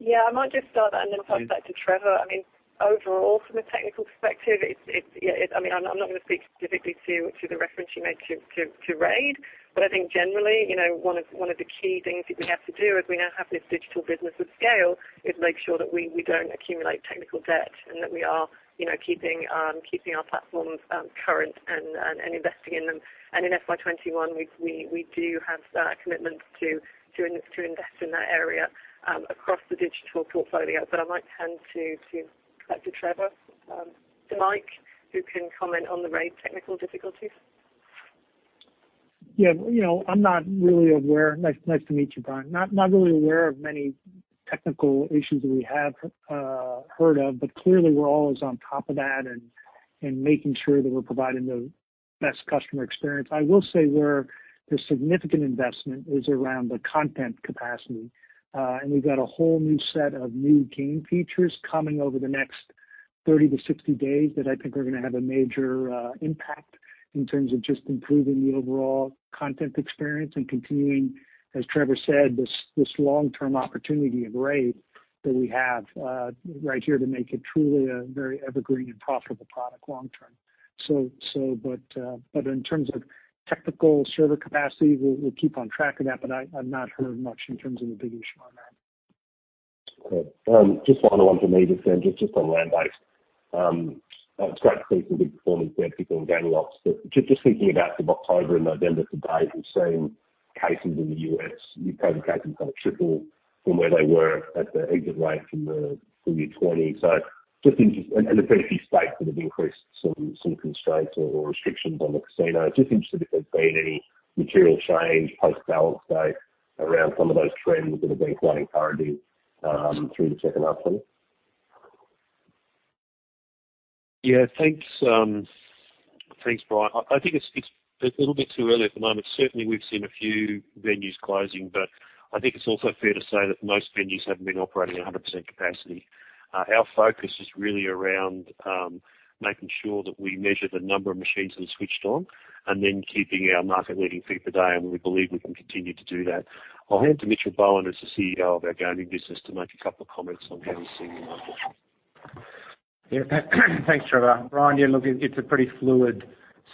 Yeah, I might just start that and then pass back to Trevor. I mean, overall, from a technical perspective, I mean, I'm not going to speak specifically to the reference you made to RAID, but I think generally one of the key things that we have to do as we now have this digital business of scale is make sure that we do not accumulate technical debt and that we are keeping our platforms current and investing in them. In FY2021, we do have commitments to invest in that area across the digital portfolio. I might hand to Trevor, to Mike, who can comment on the RAID technical difficulties. Yeah, I'm not really aware, nice to meet you, Bryan. Not really aware of many technical issues that we have heard of, but clearly we're always on top of that and making sure that we're providing the best customer experience. I will say where there's significant investment is around the content capacity, and we've got a whole new set of new game features coming over the next 30-60 days that I think are going to have a major impact in terms of just improving the overall content experience and continuing, as Trevor said, this long-term opportunity of RAID that we have right here to make it truly a very evergreen and profitable product long-term. In terms of technical server capacity, we'll keep on track of that, but I've not heard much in terms of the big issue on that. Okay. Just final one from me just then, just on land base. It's great to see some good performance there between gaming ops. Just thinking about sort of October and November to date, we've seen cases in the U.S., U.K. cases kind of triple from where they were at the exit rate from the year 2020. Just interesting, and there's been a few states that have increased some constraints or restrictions on the casino. Just interested if there's been any material change post-balance day around some of those trends that have been quite encouraging through the second half 2020. Yeah, thanks, Bryan. I think it's a little bit too early at the moment. Certainly, we've seen a few venues closing, but I think it's also fair to say that most venues haven't been operating at 100% capacity. Our focus is really around making sure that we measure the number of machines that are switched on and then keeping our market-leading figure today, and we believe we can continue to do that. I'll hand to Mitchell Bowen as the CEO of our gaming business to make a couple of comments on how we've seen the market. Yeah, thanks, Trevor. Bryan, yeah, look, it's a pretty fluid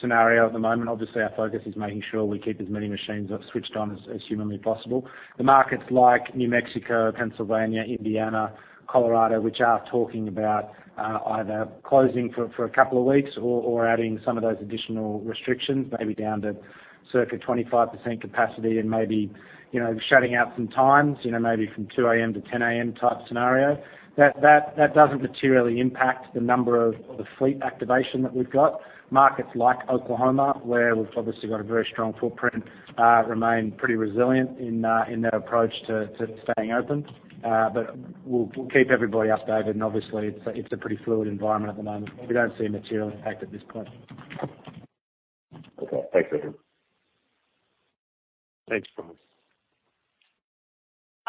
scenario at the moment. Obviously, our focus is making sure we keep as many machines switched on as humanly possible. The markets like New Mexico, Pennsylvania, Indiana, Colorado, which are talking about either closing for a couple of weeks or adding some of those additional restrictions, maybe down to circa 25% capacity and maybe shutting out some times, maybe from 2:00 A.M. to 10:00 A.M. type scenario. That doesn't materially impact the number of the fleet activation that we've got. Markets like Oklahoma, where we've obviously got a very strong footprint, remain pretty resilient in their approach to staying open. We'll keep everybody updated, and obviously, it's a pretty fluid environment at the moment. We don't see a material impact at this point. Okay, thanks, everyone. Thanks, Bryan.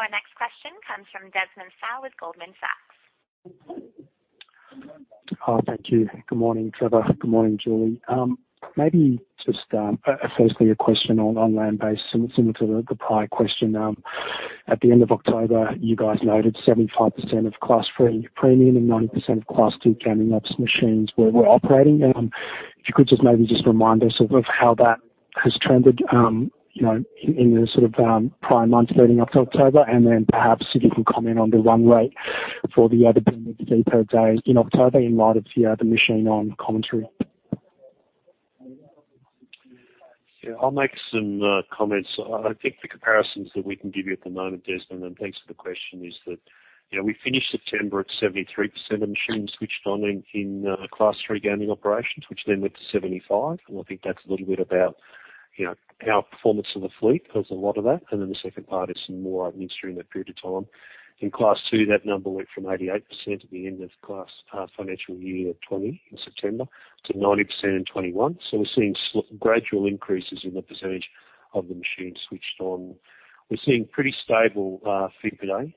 Our next question comes from Desmond Tsao with Goldman Sachs. Hi, thank you. Good morning, Trevor. Good morning, Julie. Maybe just firstly a question on land base, similar to the prior question. At the end of October, you guys noted 75% of Class 3 Premium and 90% of Class 2 Gaming Ops machines were operating. If you could just maybe remind us of how that has trended in the sort of prior months leading up to October, and then perhaps if you can comment on the run rate for the other bins per day in October in light of the machine-on commentary. Yeah, I'll make some comments. I think the comparisons that we can give you at the moment, Desmond, and thanks for the question, is that we finished September at 73% of machines switched on in Class 3 Gaming Operations, which then went to 75%. I think that's a little bit about our performance of the fleet was a lot of that. The second part is some more openings during that period of time. In Class 2, that number went from 88% at the end of Class financial year 2020 in September to 90% in 2021. We're seeing gradual increases in the percentage of the machines switched on. We're seeing pretty stable fee per day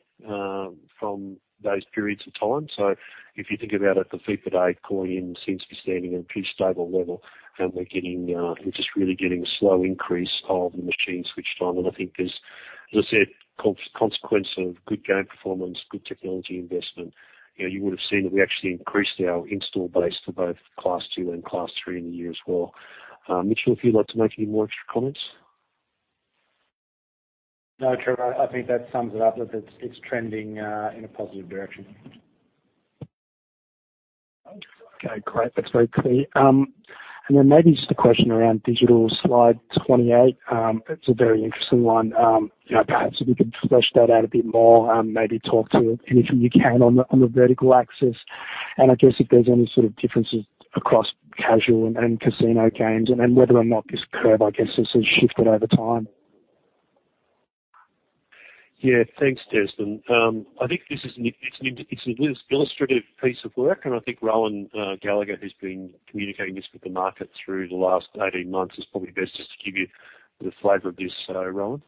from those periods of time. If you think about it, the fee per day calling in seems to be standing at a pretty stable level, and we're just really getting a slow increase of the machines switched on. I think there's, as I said, consequence of good game performance, good technology investment. You would have seen that we actually increased our install base for both Class 2 and Class 3 in the year as well. Mitchell, if you'd like to make any more extra comments. No, Trevor, I think that sums it up that it's trending in a positive direction. Okay, great. That's very clear. Maybe just a question around digital slide 28. It's a very interesting one. Perhaps if you could flesh that out a bit more, maybe talk to anything you can on the vertical axis. I guess if there's any sort of differences across casual and casino games and whether or not this curve, I guess, has shifted over time. Yeah, thanks, Desmond. I think it's an illustrative piece of work, and I think Rohan Gallagher, who's been communicating this with the market through the last 18 months, is probably best just to give you the flavor of this. So, Rohan.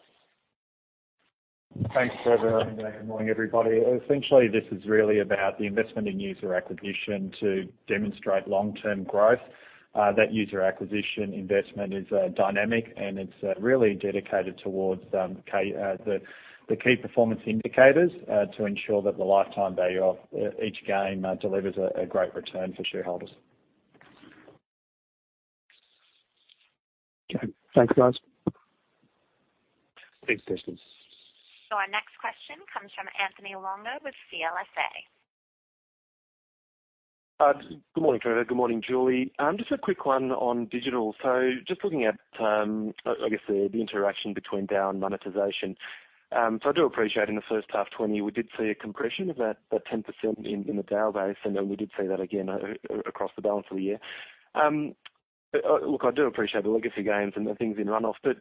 Thanks, Trevor. Good morning, everybody. Essentially, this is really about the investment in user acquisition to demonstrate long-term growth. That user acquisition investment is dynamic, and it's really dedicated towards the key performance indicators to ensure that the lifetime value of each game delivers a great return for shareholders. Okay, thanks, guys. Thanks, Desmond. Our next question comes from Anthony Longo with CLSA. Good morning, Trevor. Good morning, Julie. Just a quick one on digital. Just looking at, I guess, the interaction between DAU and monetization. I do appreciate in the first half 2020, we did see a compression of that 10% in the DAU base, and we did see that again across the balance of the year. I do appreciate the legacy games and the things in runoff, but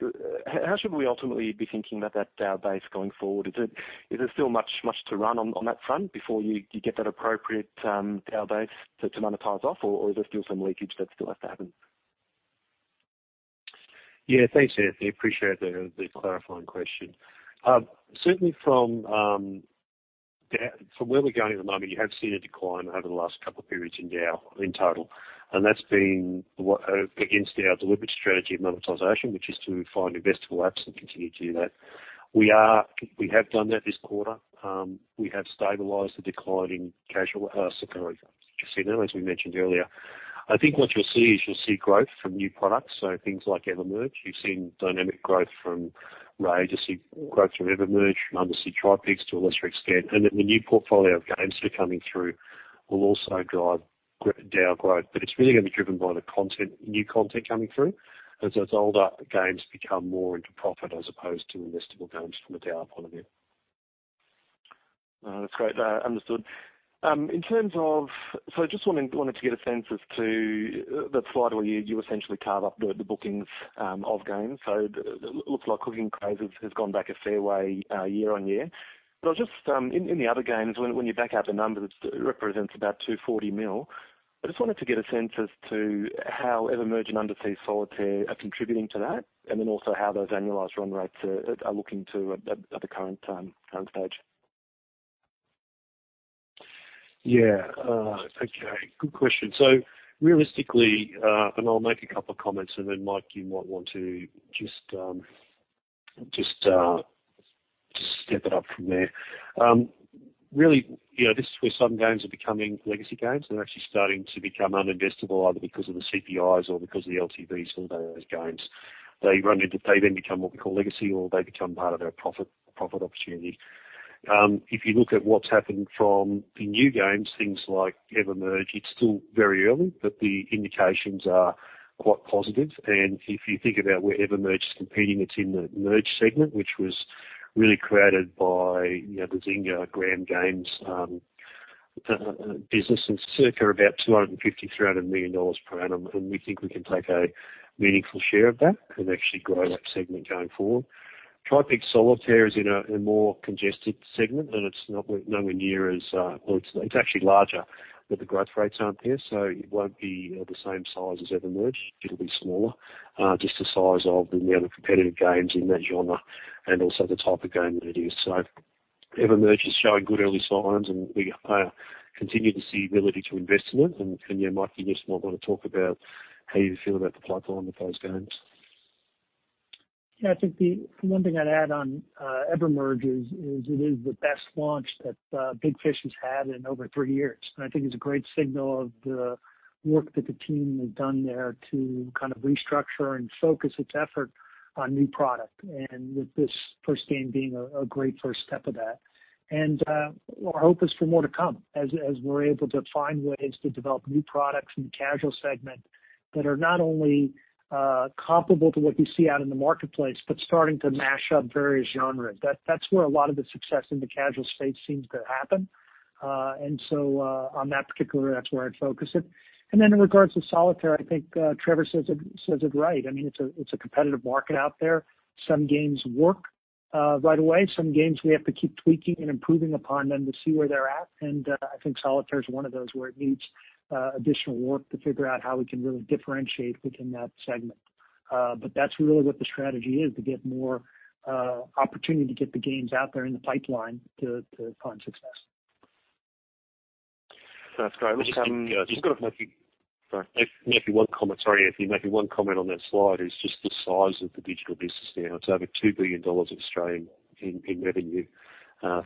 how should we ultimately be thinking about that DAU base going forward? Is there still much to run on that front before you get that appropriate DAU base to monetize off, or is there still some leakage that still has to happen? Yeah, thanks, Anthony. Appreciate the clarifying question. Certainly, from where we're going at the moment, you have seen a decline over the last couple of periods in DAU in total, and that's been against our deliberate strategy of monetization, which is to find investable apps and continue to do that. We have done that this quarter. We have stabilized the decline in casual casino, as we mentioned earlier. I think what you'll see is you'll see growth from new products, so things like EverMerge. You've seen dynamic growth from Raid: Shadow Legends. You'll see growth from EverMerge, Undersea Solitaire Trypix to a lesser extent. The new portfolio of games that are coming through will also drive DAU growth, but it's really going to be driven by the new content coming through as older games become more into profit as opposed to investable games from a DAU point of view. That's great. Understood. In terms of, just wanted to get a sense as to the slide where you essentially carve up the bookings of games. It looks like Cooking Craze has gone back a fair way year on year. In the other games, when you back out the numbers, it represents about $240 million. I just wanted to get a sense as to how EverMerge and Undersea Solitaire Trypix are contributing to that, and then also how those annualized run rates are looking at the current stage. Yeah. Okay. Good question. Realistically, and I'll make a couple of comments, and then Mike, you might want to just step it up from there. Really, this is where some games are becoming legacy games, and they're actually starting to become uninvestable either because of the CPIs or because of the LTVs for those games. They then become what we call legacy, or they become part of our profit opportunity. If you look at what's happened from the new games, things like EverMerge, it's still very early, but the indications are quite positive. If you think about where EverMerge is competing, it's in the merge segment, which was really created by the Zynga Gram Games business. Circa about $250 million-$300 million per annum, and we think we can take a meaningful share of that and actually grow that segment going forward. Trypix Solitaire is in a more congested segment, and it's nowhere near as well, it's actually larger, but the growth rates aren't there, so it won't be the same size as EverMerge. It'll be smaller, just the size of the amount of competitive games in that genre and also the type of game that it is. EverMerge is showing good early signs, and we continue to see ability to invest in it. Yeah, Mike, you just might want to talk about how you feel about the pipeline with those games. Yeah, I think the one thing I'd add on EverMerge is it is the best launch that Big Fish has had in over three years. I think it's a great signal of the work that the team has done there to kind of restructure and focus its effort on new product, and with this first game being a great first step of that. Our hope is for more to come as we're able to find ways to develop new products in the casual segment that are not only comparable to what you see out in the marketplace, but starting to mash up various genres. That's where a lot of the success in the casual space seems to happen. On that particular, that's where I'd focus it. In regards to solitaire, I think Trevor says it right. I mean, it's a competitive market out there. Some games work right away. Some games we have to keep tweaking and improving upon them to see where they're at. I think solitaire is one of those where it needs additional work to figure out how we can really differentiate within that segment. That is really what the strategy is, to get more opportunity to get the games out there in the pipeline to find success. Sounds great. Let me just—sorry, maybe one comment. Sorry, Anthony. Maybe one comment on that slide is just the size of the digital business now. It is over 2 billion dollars of Australian revenue, 30%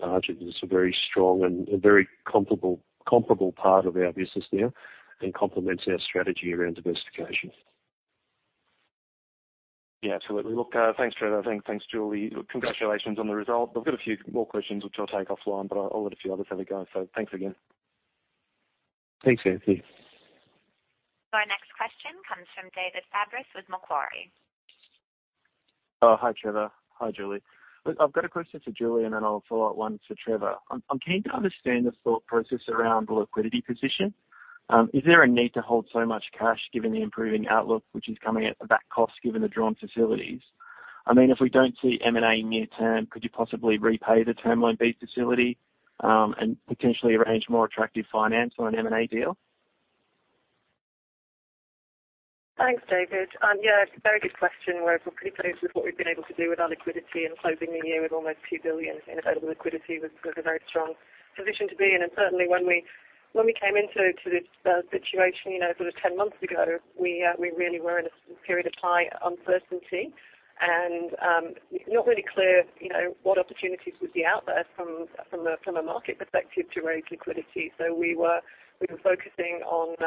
margin. It is a very strong and very comparable part of our business now and complements our strategy around diversification. Yeah, absolutely. Look, thanks, Trevor. Thanks, Julie. Congratulations on the result. I've got a few more questions, which I'll take offline, but I'll let a few others have a go. Thanks again. Thanks, Anthony. Our next question comes from David Fabris with Macquarie. Hi, Trevor. Hi, Julie. Look, I've got a question for Julie, and then I'll follow up one for Trevor. I'm keen to understand the thought process around liquidity position. Is there a need to hold so much cash given the improving outlook, which is coming at a back cost given the drawn facilities? I mean, if we don't see M&A near term, could you possibly repay the Term Loan B facility and potentially arrange more attractive finance on an M&A deal? Thanks, David. Yeah, very good question. We're pretty pleased with what we've been able to do with our liquidity and closing the year with almost $2 billion in available liquidity. We've got a very strong position to be in. Certainly, when we came into this situation sort of 10 months ago, we really were in a period of high uncertainty and not really clear what opportunities would be out there from a market perspective to raise liquidity. We were focusing on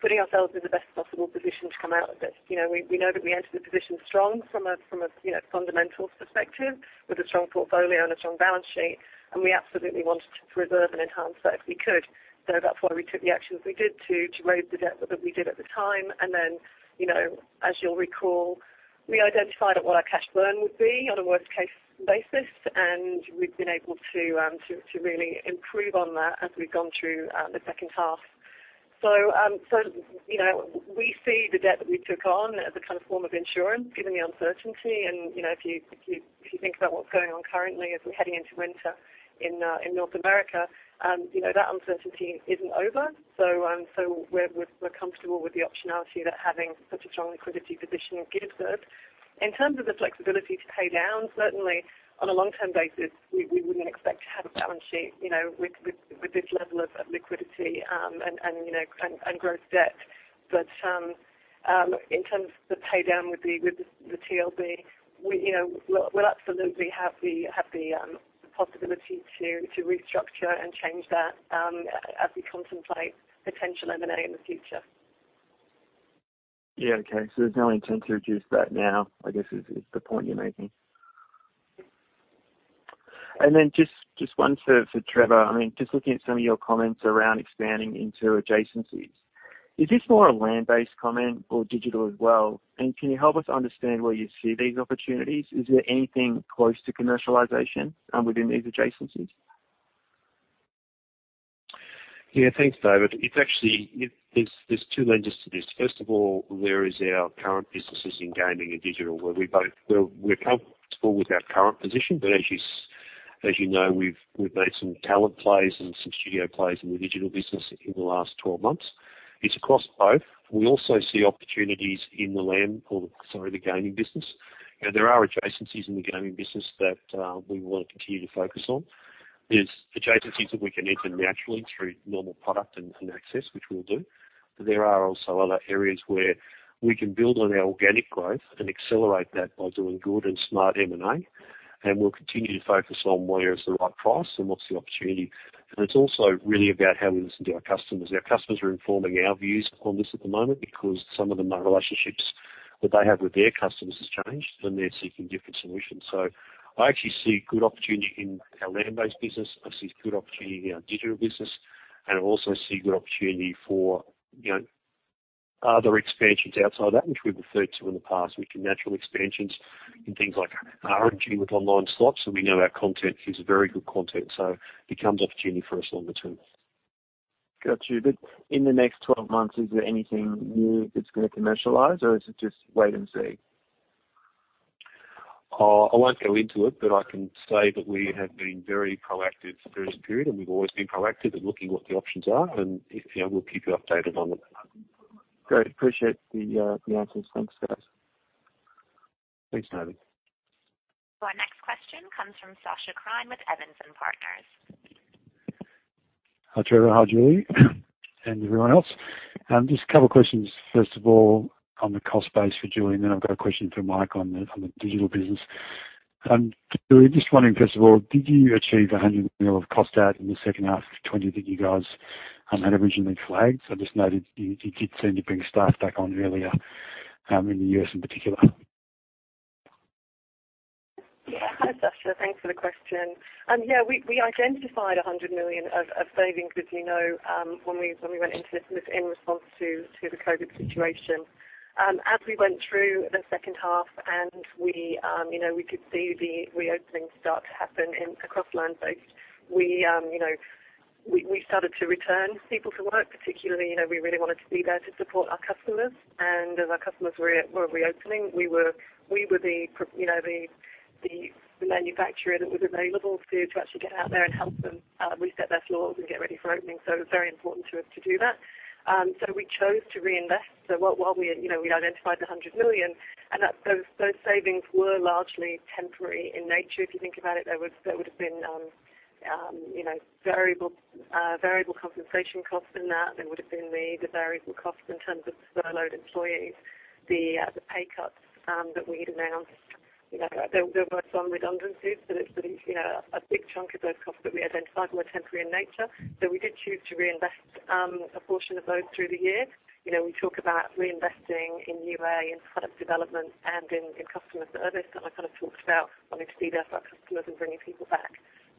putting ourselves in the best possible position to come out of this. We know that we entered the position strong from a fundamentals perspective with a strong portfolio and a strong balance sheet, and we absolutely wanted to preserve and enhance that if we could. That's why we took the actions we did to raise the debt that we did at the time. As you'll recall, we identified what our cash burn would be on a worst-case basis, and we've been able to really improve on that as we've gone through the second half. We see the debt that we took on as a kind of form of insurance given the uncertainty. If you think about what's going on currently, as we're heading into winter in North America, that uncertainty isn't over. We're comfortable with the optionality that having such a strong liquidity position gives us. In terms of the flexibility to pay down, certainly, on a long-term basis, we wouldn't expect to have a balance sheet with this level of liquidity and gross debt. In terms of the pay down with the TLB, we'll absolutely have the possibility to restructure and change that as we contemplate potential M&A in the future. Yeah, okay. There is no intent to reduce that now, I guess, is the point you're making. I mean, just looking at some of your comments around expanding into adjacencies, is this more a land-based comment or digital as well? Can you help us understand where you see these opportunities? Is there anything close to commercialization within these adjacencies? Yeah, thanks, David. There are two lenses to this. First of all, there is our current businesses in gaming and digital, where we're comfortable with our current position. As you know, we've made some talent plays and some studio plays in the digital business in the last 12 months. It's across both. We also see opportunities in the land, or sorry, the gaming business. There are adjacencies in the gaming business that we want to continue to focus on. There are adjacencies that we can enter naturally through normal product and access, which we'll do. There are also other areas where we can build on our organic growth and accelerate that by doing good and smart M&A. We will continue to focus on where is the right price and what's the opportunity. It's also really about how we listen to our customers. Our customers are informing our views on this at the moment because some of the relationships that they have with their customers have changed, and they're seeking different solutions. I actually see good opportunity in our land-based business. I see good opportunity in our digital business, and I also see good opportunity for other expansions outside of that, which we've referred to in the past, which are natural expansions in things like R&G with online slots. We know our content is very good content, so it becomes opportunity for us longer term. Got you. In the next 12 months, is there anything new that's going to commercialize, or is it just wait and see? I won't go into it, but I can say that we have been very proactive for a period, and we've always been proactive in looking at what the options are, and we'll keep you updated on it. Great. Appreciate the answers. Thanks, guys. Thanks, David. Our next question comes from Sacha Krien with Evans & Partners. Hi, Trevor. Hi, Julie and everyone else. Just a couple of questions. First of all, on the cost base for Julie, and then I have a question for Mike on the digital business. Julie, just wondering, first of all, did you achieve $100 million of cost out in the second half of 2020 that you guys had originally flagged? I just noted you did seem to bring staff back on earlier in the U.S. in particular. Yeah. Hi, Sacha. Thanks for the question. Yeah, we identified $100 million of savings, as you know, when we went into this in response to the COVID situation. As we went through the second half and we could see the reopening start to happen across land-based, we started to return people to work. Particularly, we really wanted to be there to support our customers. As our customers were reopening, we were the manufacturer that was available to actually get out there and help them reset their floors and get ready for opening. It was very important to us to do that. We chose to reinvest. While we identified the $100 million, those savings were largely temporary in nature. If you think about it, there would have been variable compensation costs in that. There would have been the variable costs in terms of the furloughed employees, the pay cuts that we'd announced. There were some redundancies, but a big chunk of those costs that we identified were temporary in nature. We did choose to reinvest a portion of those through the year. We talk about reinvesting in UA and product development and in customer service, and I kind of talked about wanting to be there for our customers and bringing people back.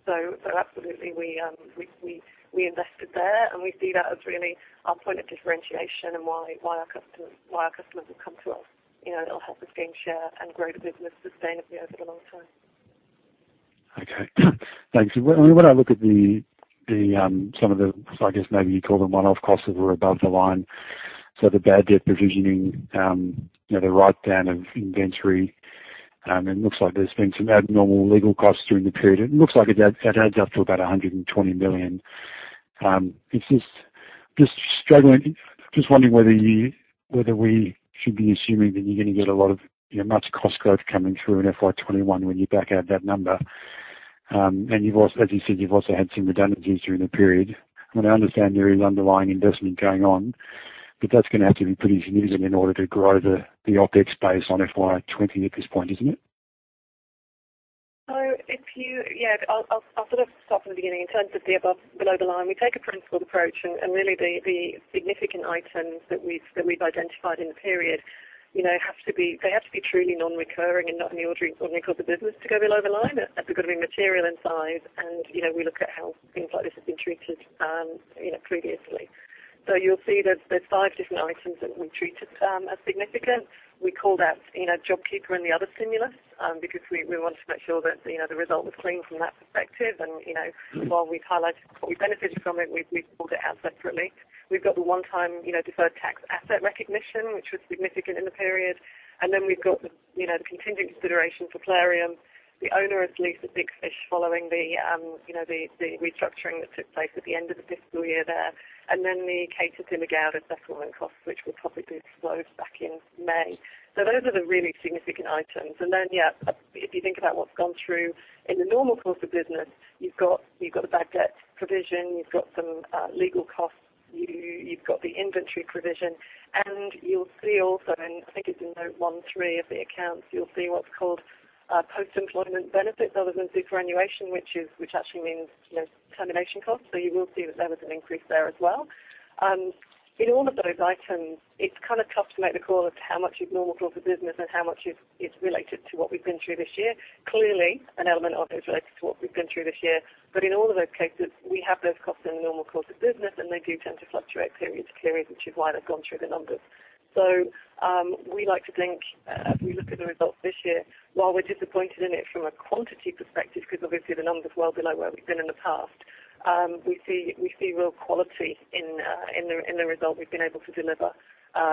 Absolutely, we invested there, and we see that as really our point of differentiation and why our customers will come to us. It'll help us game share and grow the business sustainably over the long term. Okay. Thanks. When I look at some of the, I guess maybe you'd call them one-off costs that were above the line, so the bad debt provisioning, the write-down of inventory, it looks like there's been some abnormal legal costs during the period. It looks like it adds up to about 120 million. Just wondering whether we should be assuming that you're going to get a lot of much cost growth coming through in FY2021 when you back out that number. As you said, you've also had some redundancies during the period. I mean, I understand there is underlying investment going on, but that's going to have to be pretty significant in order to grow the opex base on FY2020 at this point, isn't it? Yeah, I'll sort of start from the beginning. In terms of the above below the line, we take a principled approach, and really the significant items that we've identified in the period have to be, they have to be truly non-recurring and not in the ordinary course of business to go below the line. They've got to be material in size, and we look at how things like this have been treated previously. You'll see there's five different items that we treated as significant. We called out JobKeeper and the other stimulus because we wanted to make sure that the result was clean from that perspective. While we've highlighted what we benefited from it, we've pulled it out separately. We've got the one-time deferred tax asset recognition, which was significant in the period. Then we've got the contingent consideration for Clarion. The owner is leased at Big Fish following the restructuring that took place at the end of the fiscal year there. Then the catered to McGowder settlement costs, which will probably be disclosed back in May. Those are the really significant items. If you think about what's gone through in the normal course of business, you've got the bad debt provision, you've got some legal costs, you've got the inventory provision. You will see also, and I think it's in note 1.3 of the accounts, you'll see what's called post-employment benefits other than superannuation, which actually means termination costs. You will see that there was an increase there as well. In all of those items, it's kind of tough to make the call as to how much is normal course of business and how much is related to what we've been through this year. Clearly, an element of it is related to what we've been through this year. In all of those cases, we have those costs in the normal course of business, and they do tend to fluctuate period to period, which is why they've gone through the numbers. We like to think, as we look at the results this year, while we're disappointed in it from a quantity perspective, because obviously the numbers are well below where we've been in the past, we see real quality in the result we've been able to deliver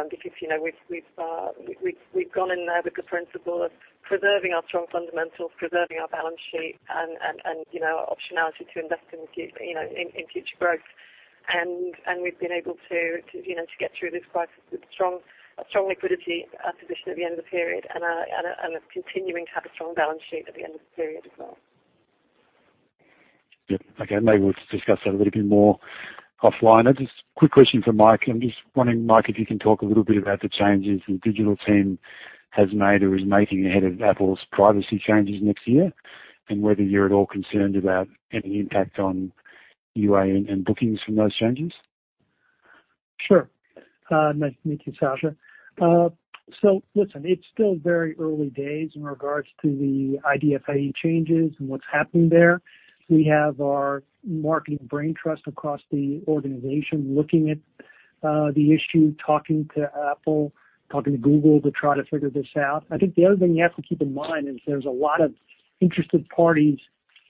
because we've gone in there with the principle of preserving our strong fundamentals, preserving our balance sheet, and optionality to invest in future growth. We have been able to get through this crisis with strong liquidity at the end of the period and continuing to have a strong balance sheet at the end of the period as well. Okay. Maybe we'll discuss that a little bit more offline. Just a quick question for Mike. I'm just wondering, Mike, if you can talk a little bit about the changes the digital team has made or is making ahead of Apple's privacy changes next year and whether you're at all concerned about any impact on UA and bookings from those changes. Sure. Nice to meet you, Sacha. Listen, it's still very early days in regards to the IDFA changes and what's happening there. We have our marketing brain trust across the organization looking at the issue, talking to Apple, talking to Google to try to figure this out. I think the other thing you have to keep in mind is there's a lot of interested parties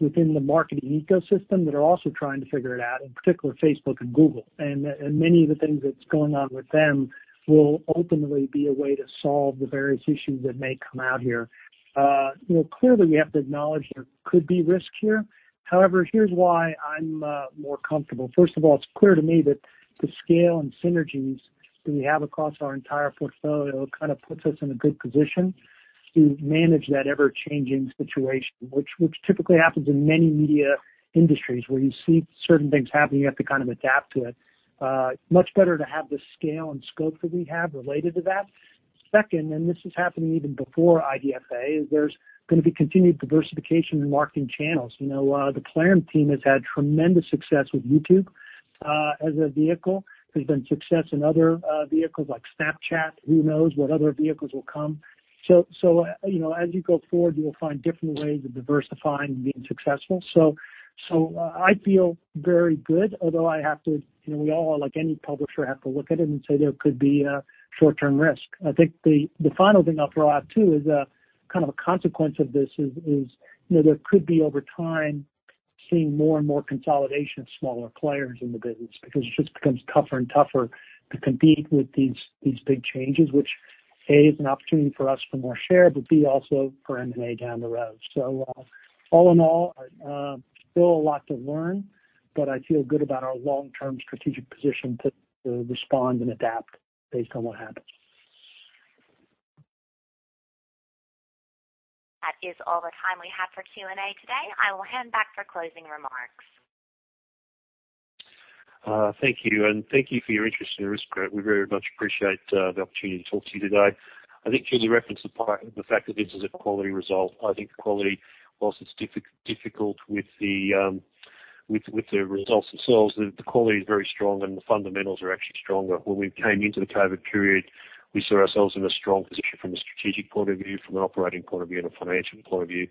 within the marketing ecosystem that are also trying to figure it out, in particular, Facebook and Google. Many of the things that are going on with them will ultimately be a way to solve the various issues that may come out here. Clearly, we have to acknowledge there could be risk here. However, here's why I'm more comfortable. First of all, it's clear to me that the scale and synergies that we have across our entire portfolio kind of puts us in a good position to manage that ever-changing situation, which typically happens in many media industries where you see certain things happening, you have to kind of adapt to it. Much better to have the scale and scope that we have related to that. Second, and this is happening even before IDFA, is there's going to be continued diversification in marketing channels. The Plarium team has had tremendous success with YouTube as a vehicle. There's been success in other vehicles like Snapchat. Who knows what other vehicles will come? As you go forward, you'll find different ways of diversifying and being successful. I feel very good, although I have to—we all, like any publisher, have to look at it and say there could be a short-term risk. I think the final thing I'll throw out too is kind of a consequence of this is there could be, over time, seeing more and more consolidation of smaller players in the business because it just becomes tougher and tougher to compete with these big changes, which, A, is an opportunity for us for more share, but, B, also for M&A down the road. All in all, still a lot to learn, but I feel good about our long-term strategic position to respond and adapt based on what happens. That is all the time we have for Q&A today. I will hand back for closing remarks. Thank you. Thank you for your interest in Aristocrat Leisure. We very much appreciate the opportunity to talk to you today. I think Julie referenced the fact that this is a quality result. I think quality, whilst it's difficult with the results themselves, the quality is very strong, and the fundamentals are actually stronger. When we came into the COVID period, we saw ourselves in a strong position from a strategic point of view, from an operating point of view, and a financial point of view.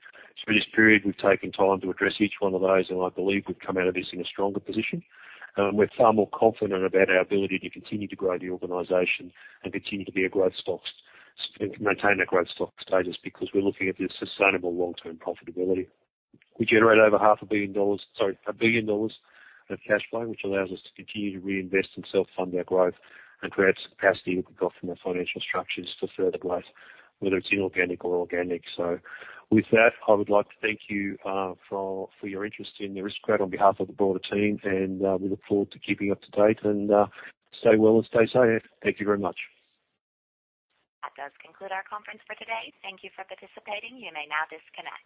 In this period, we've taken time to address each one of those, and I believe we've come out of this in a stronger position. We're far more confident about our ability to continue to grow the organization and continue to maintain our growth stock status because we're looking at the sustainable long-term profitability. We generate over $500,000,000—sorry, $1,000,000,000—of cash flow, which allows us to continue to reinvest and self-fund our growth and create capacity that we've got from our financial structures for further growth, whether it is inorganic or organic. With that, I would like to thank you for your interest in Aristocrat on behalf of the broader team, and we look forward to keeping up to date. Stay well and stay safe. Thank you very much. That does conclude our conference for today. Thank you for participating. You may now disconnect.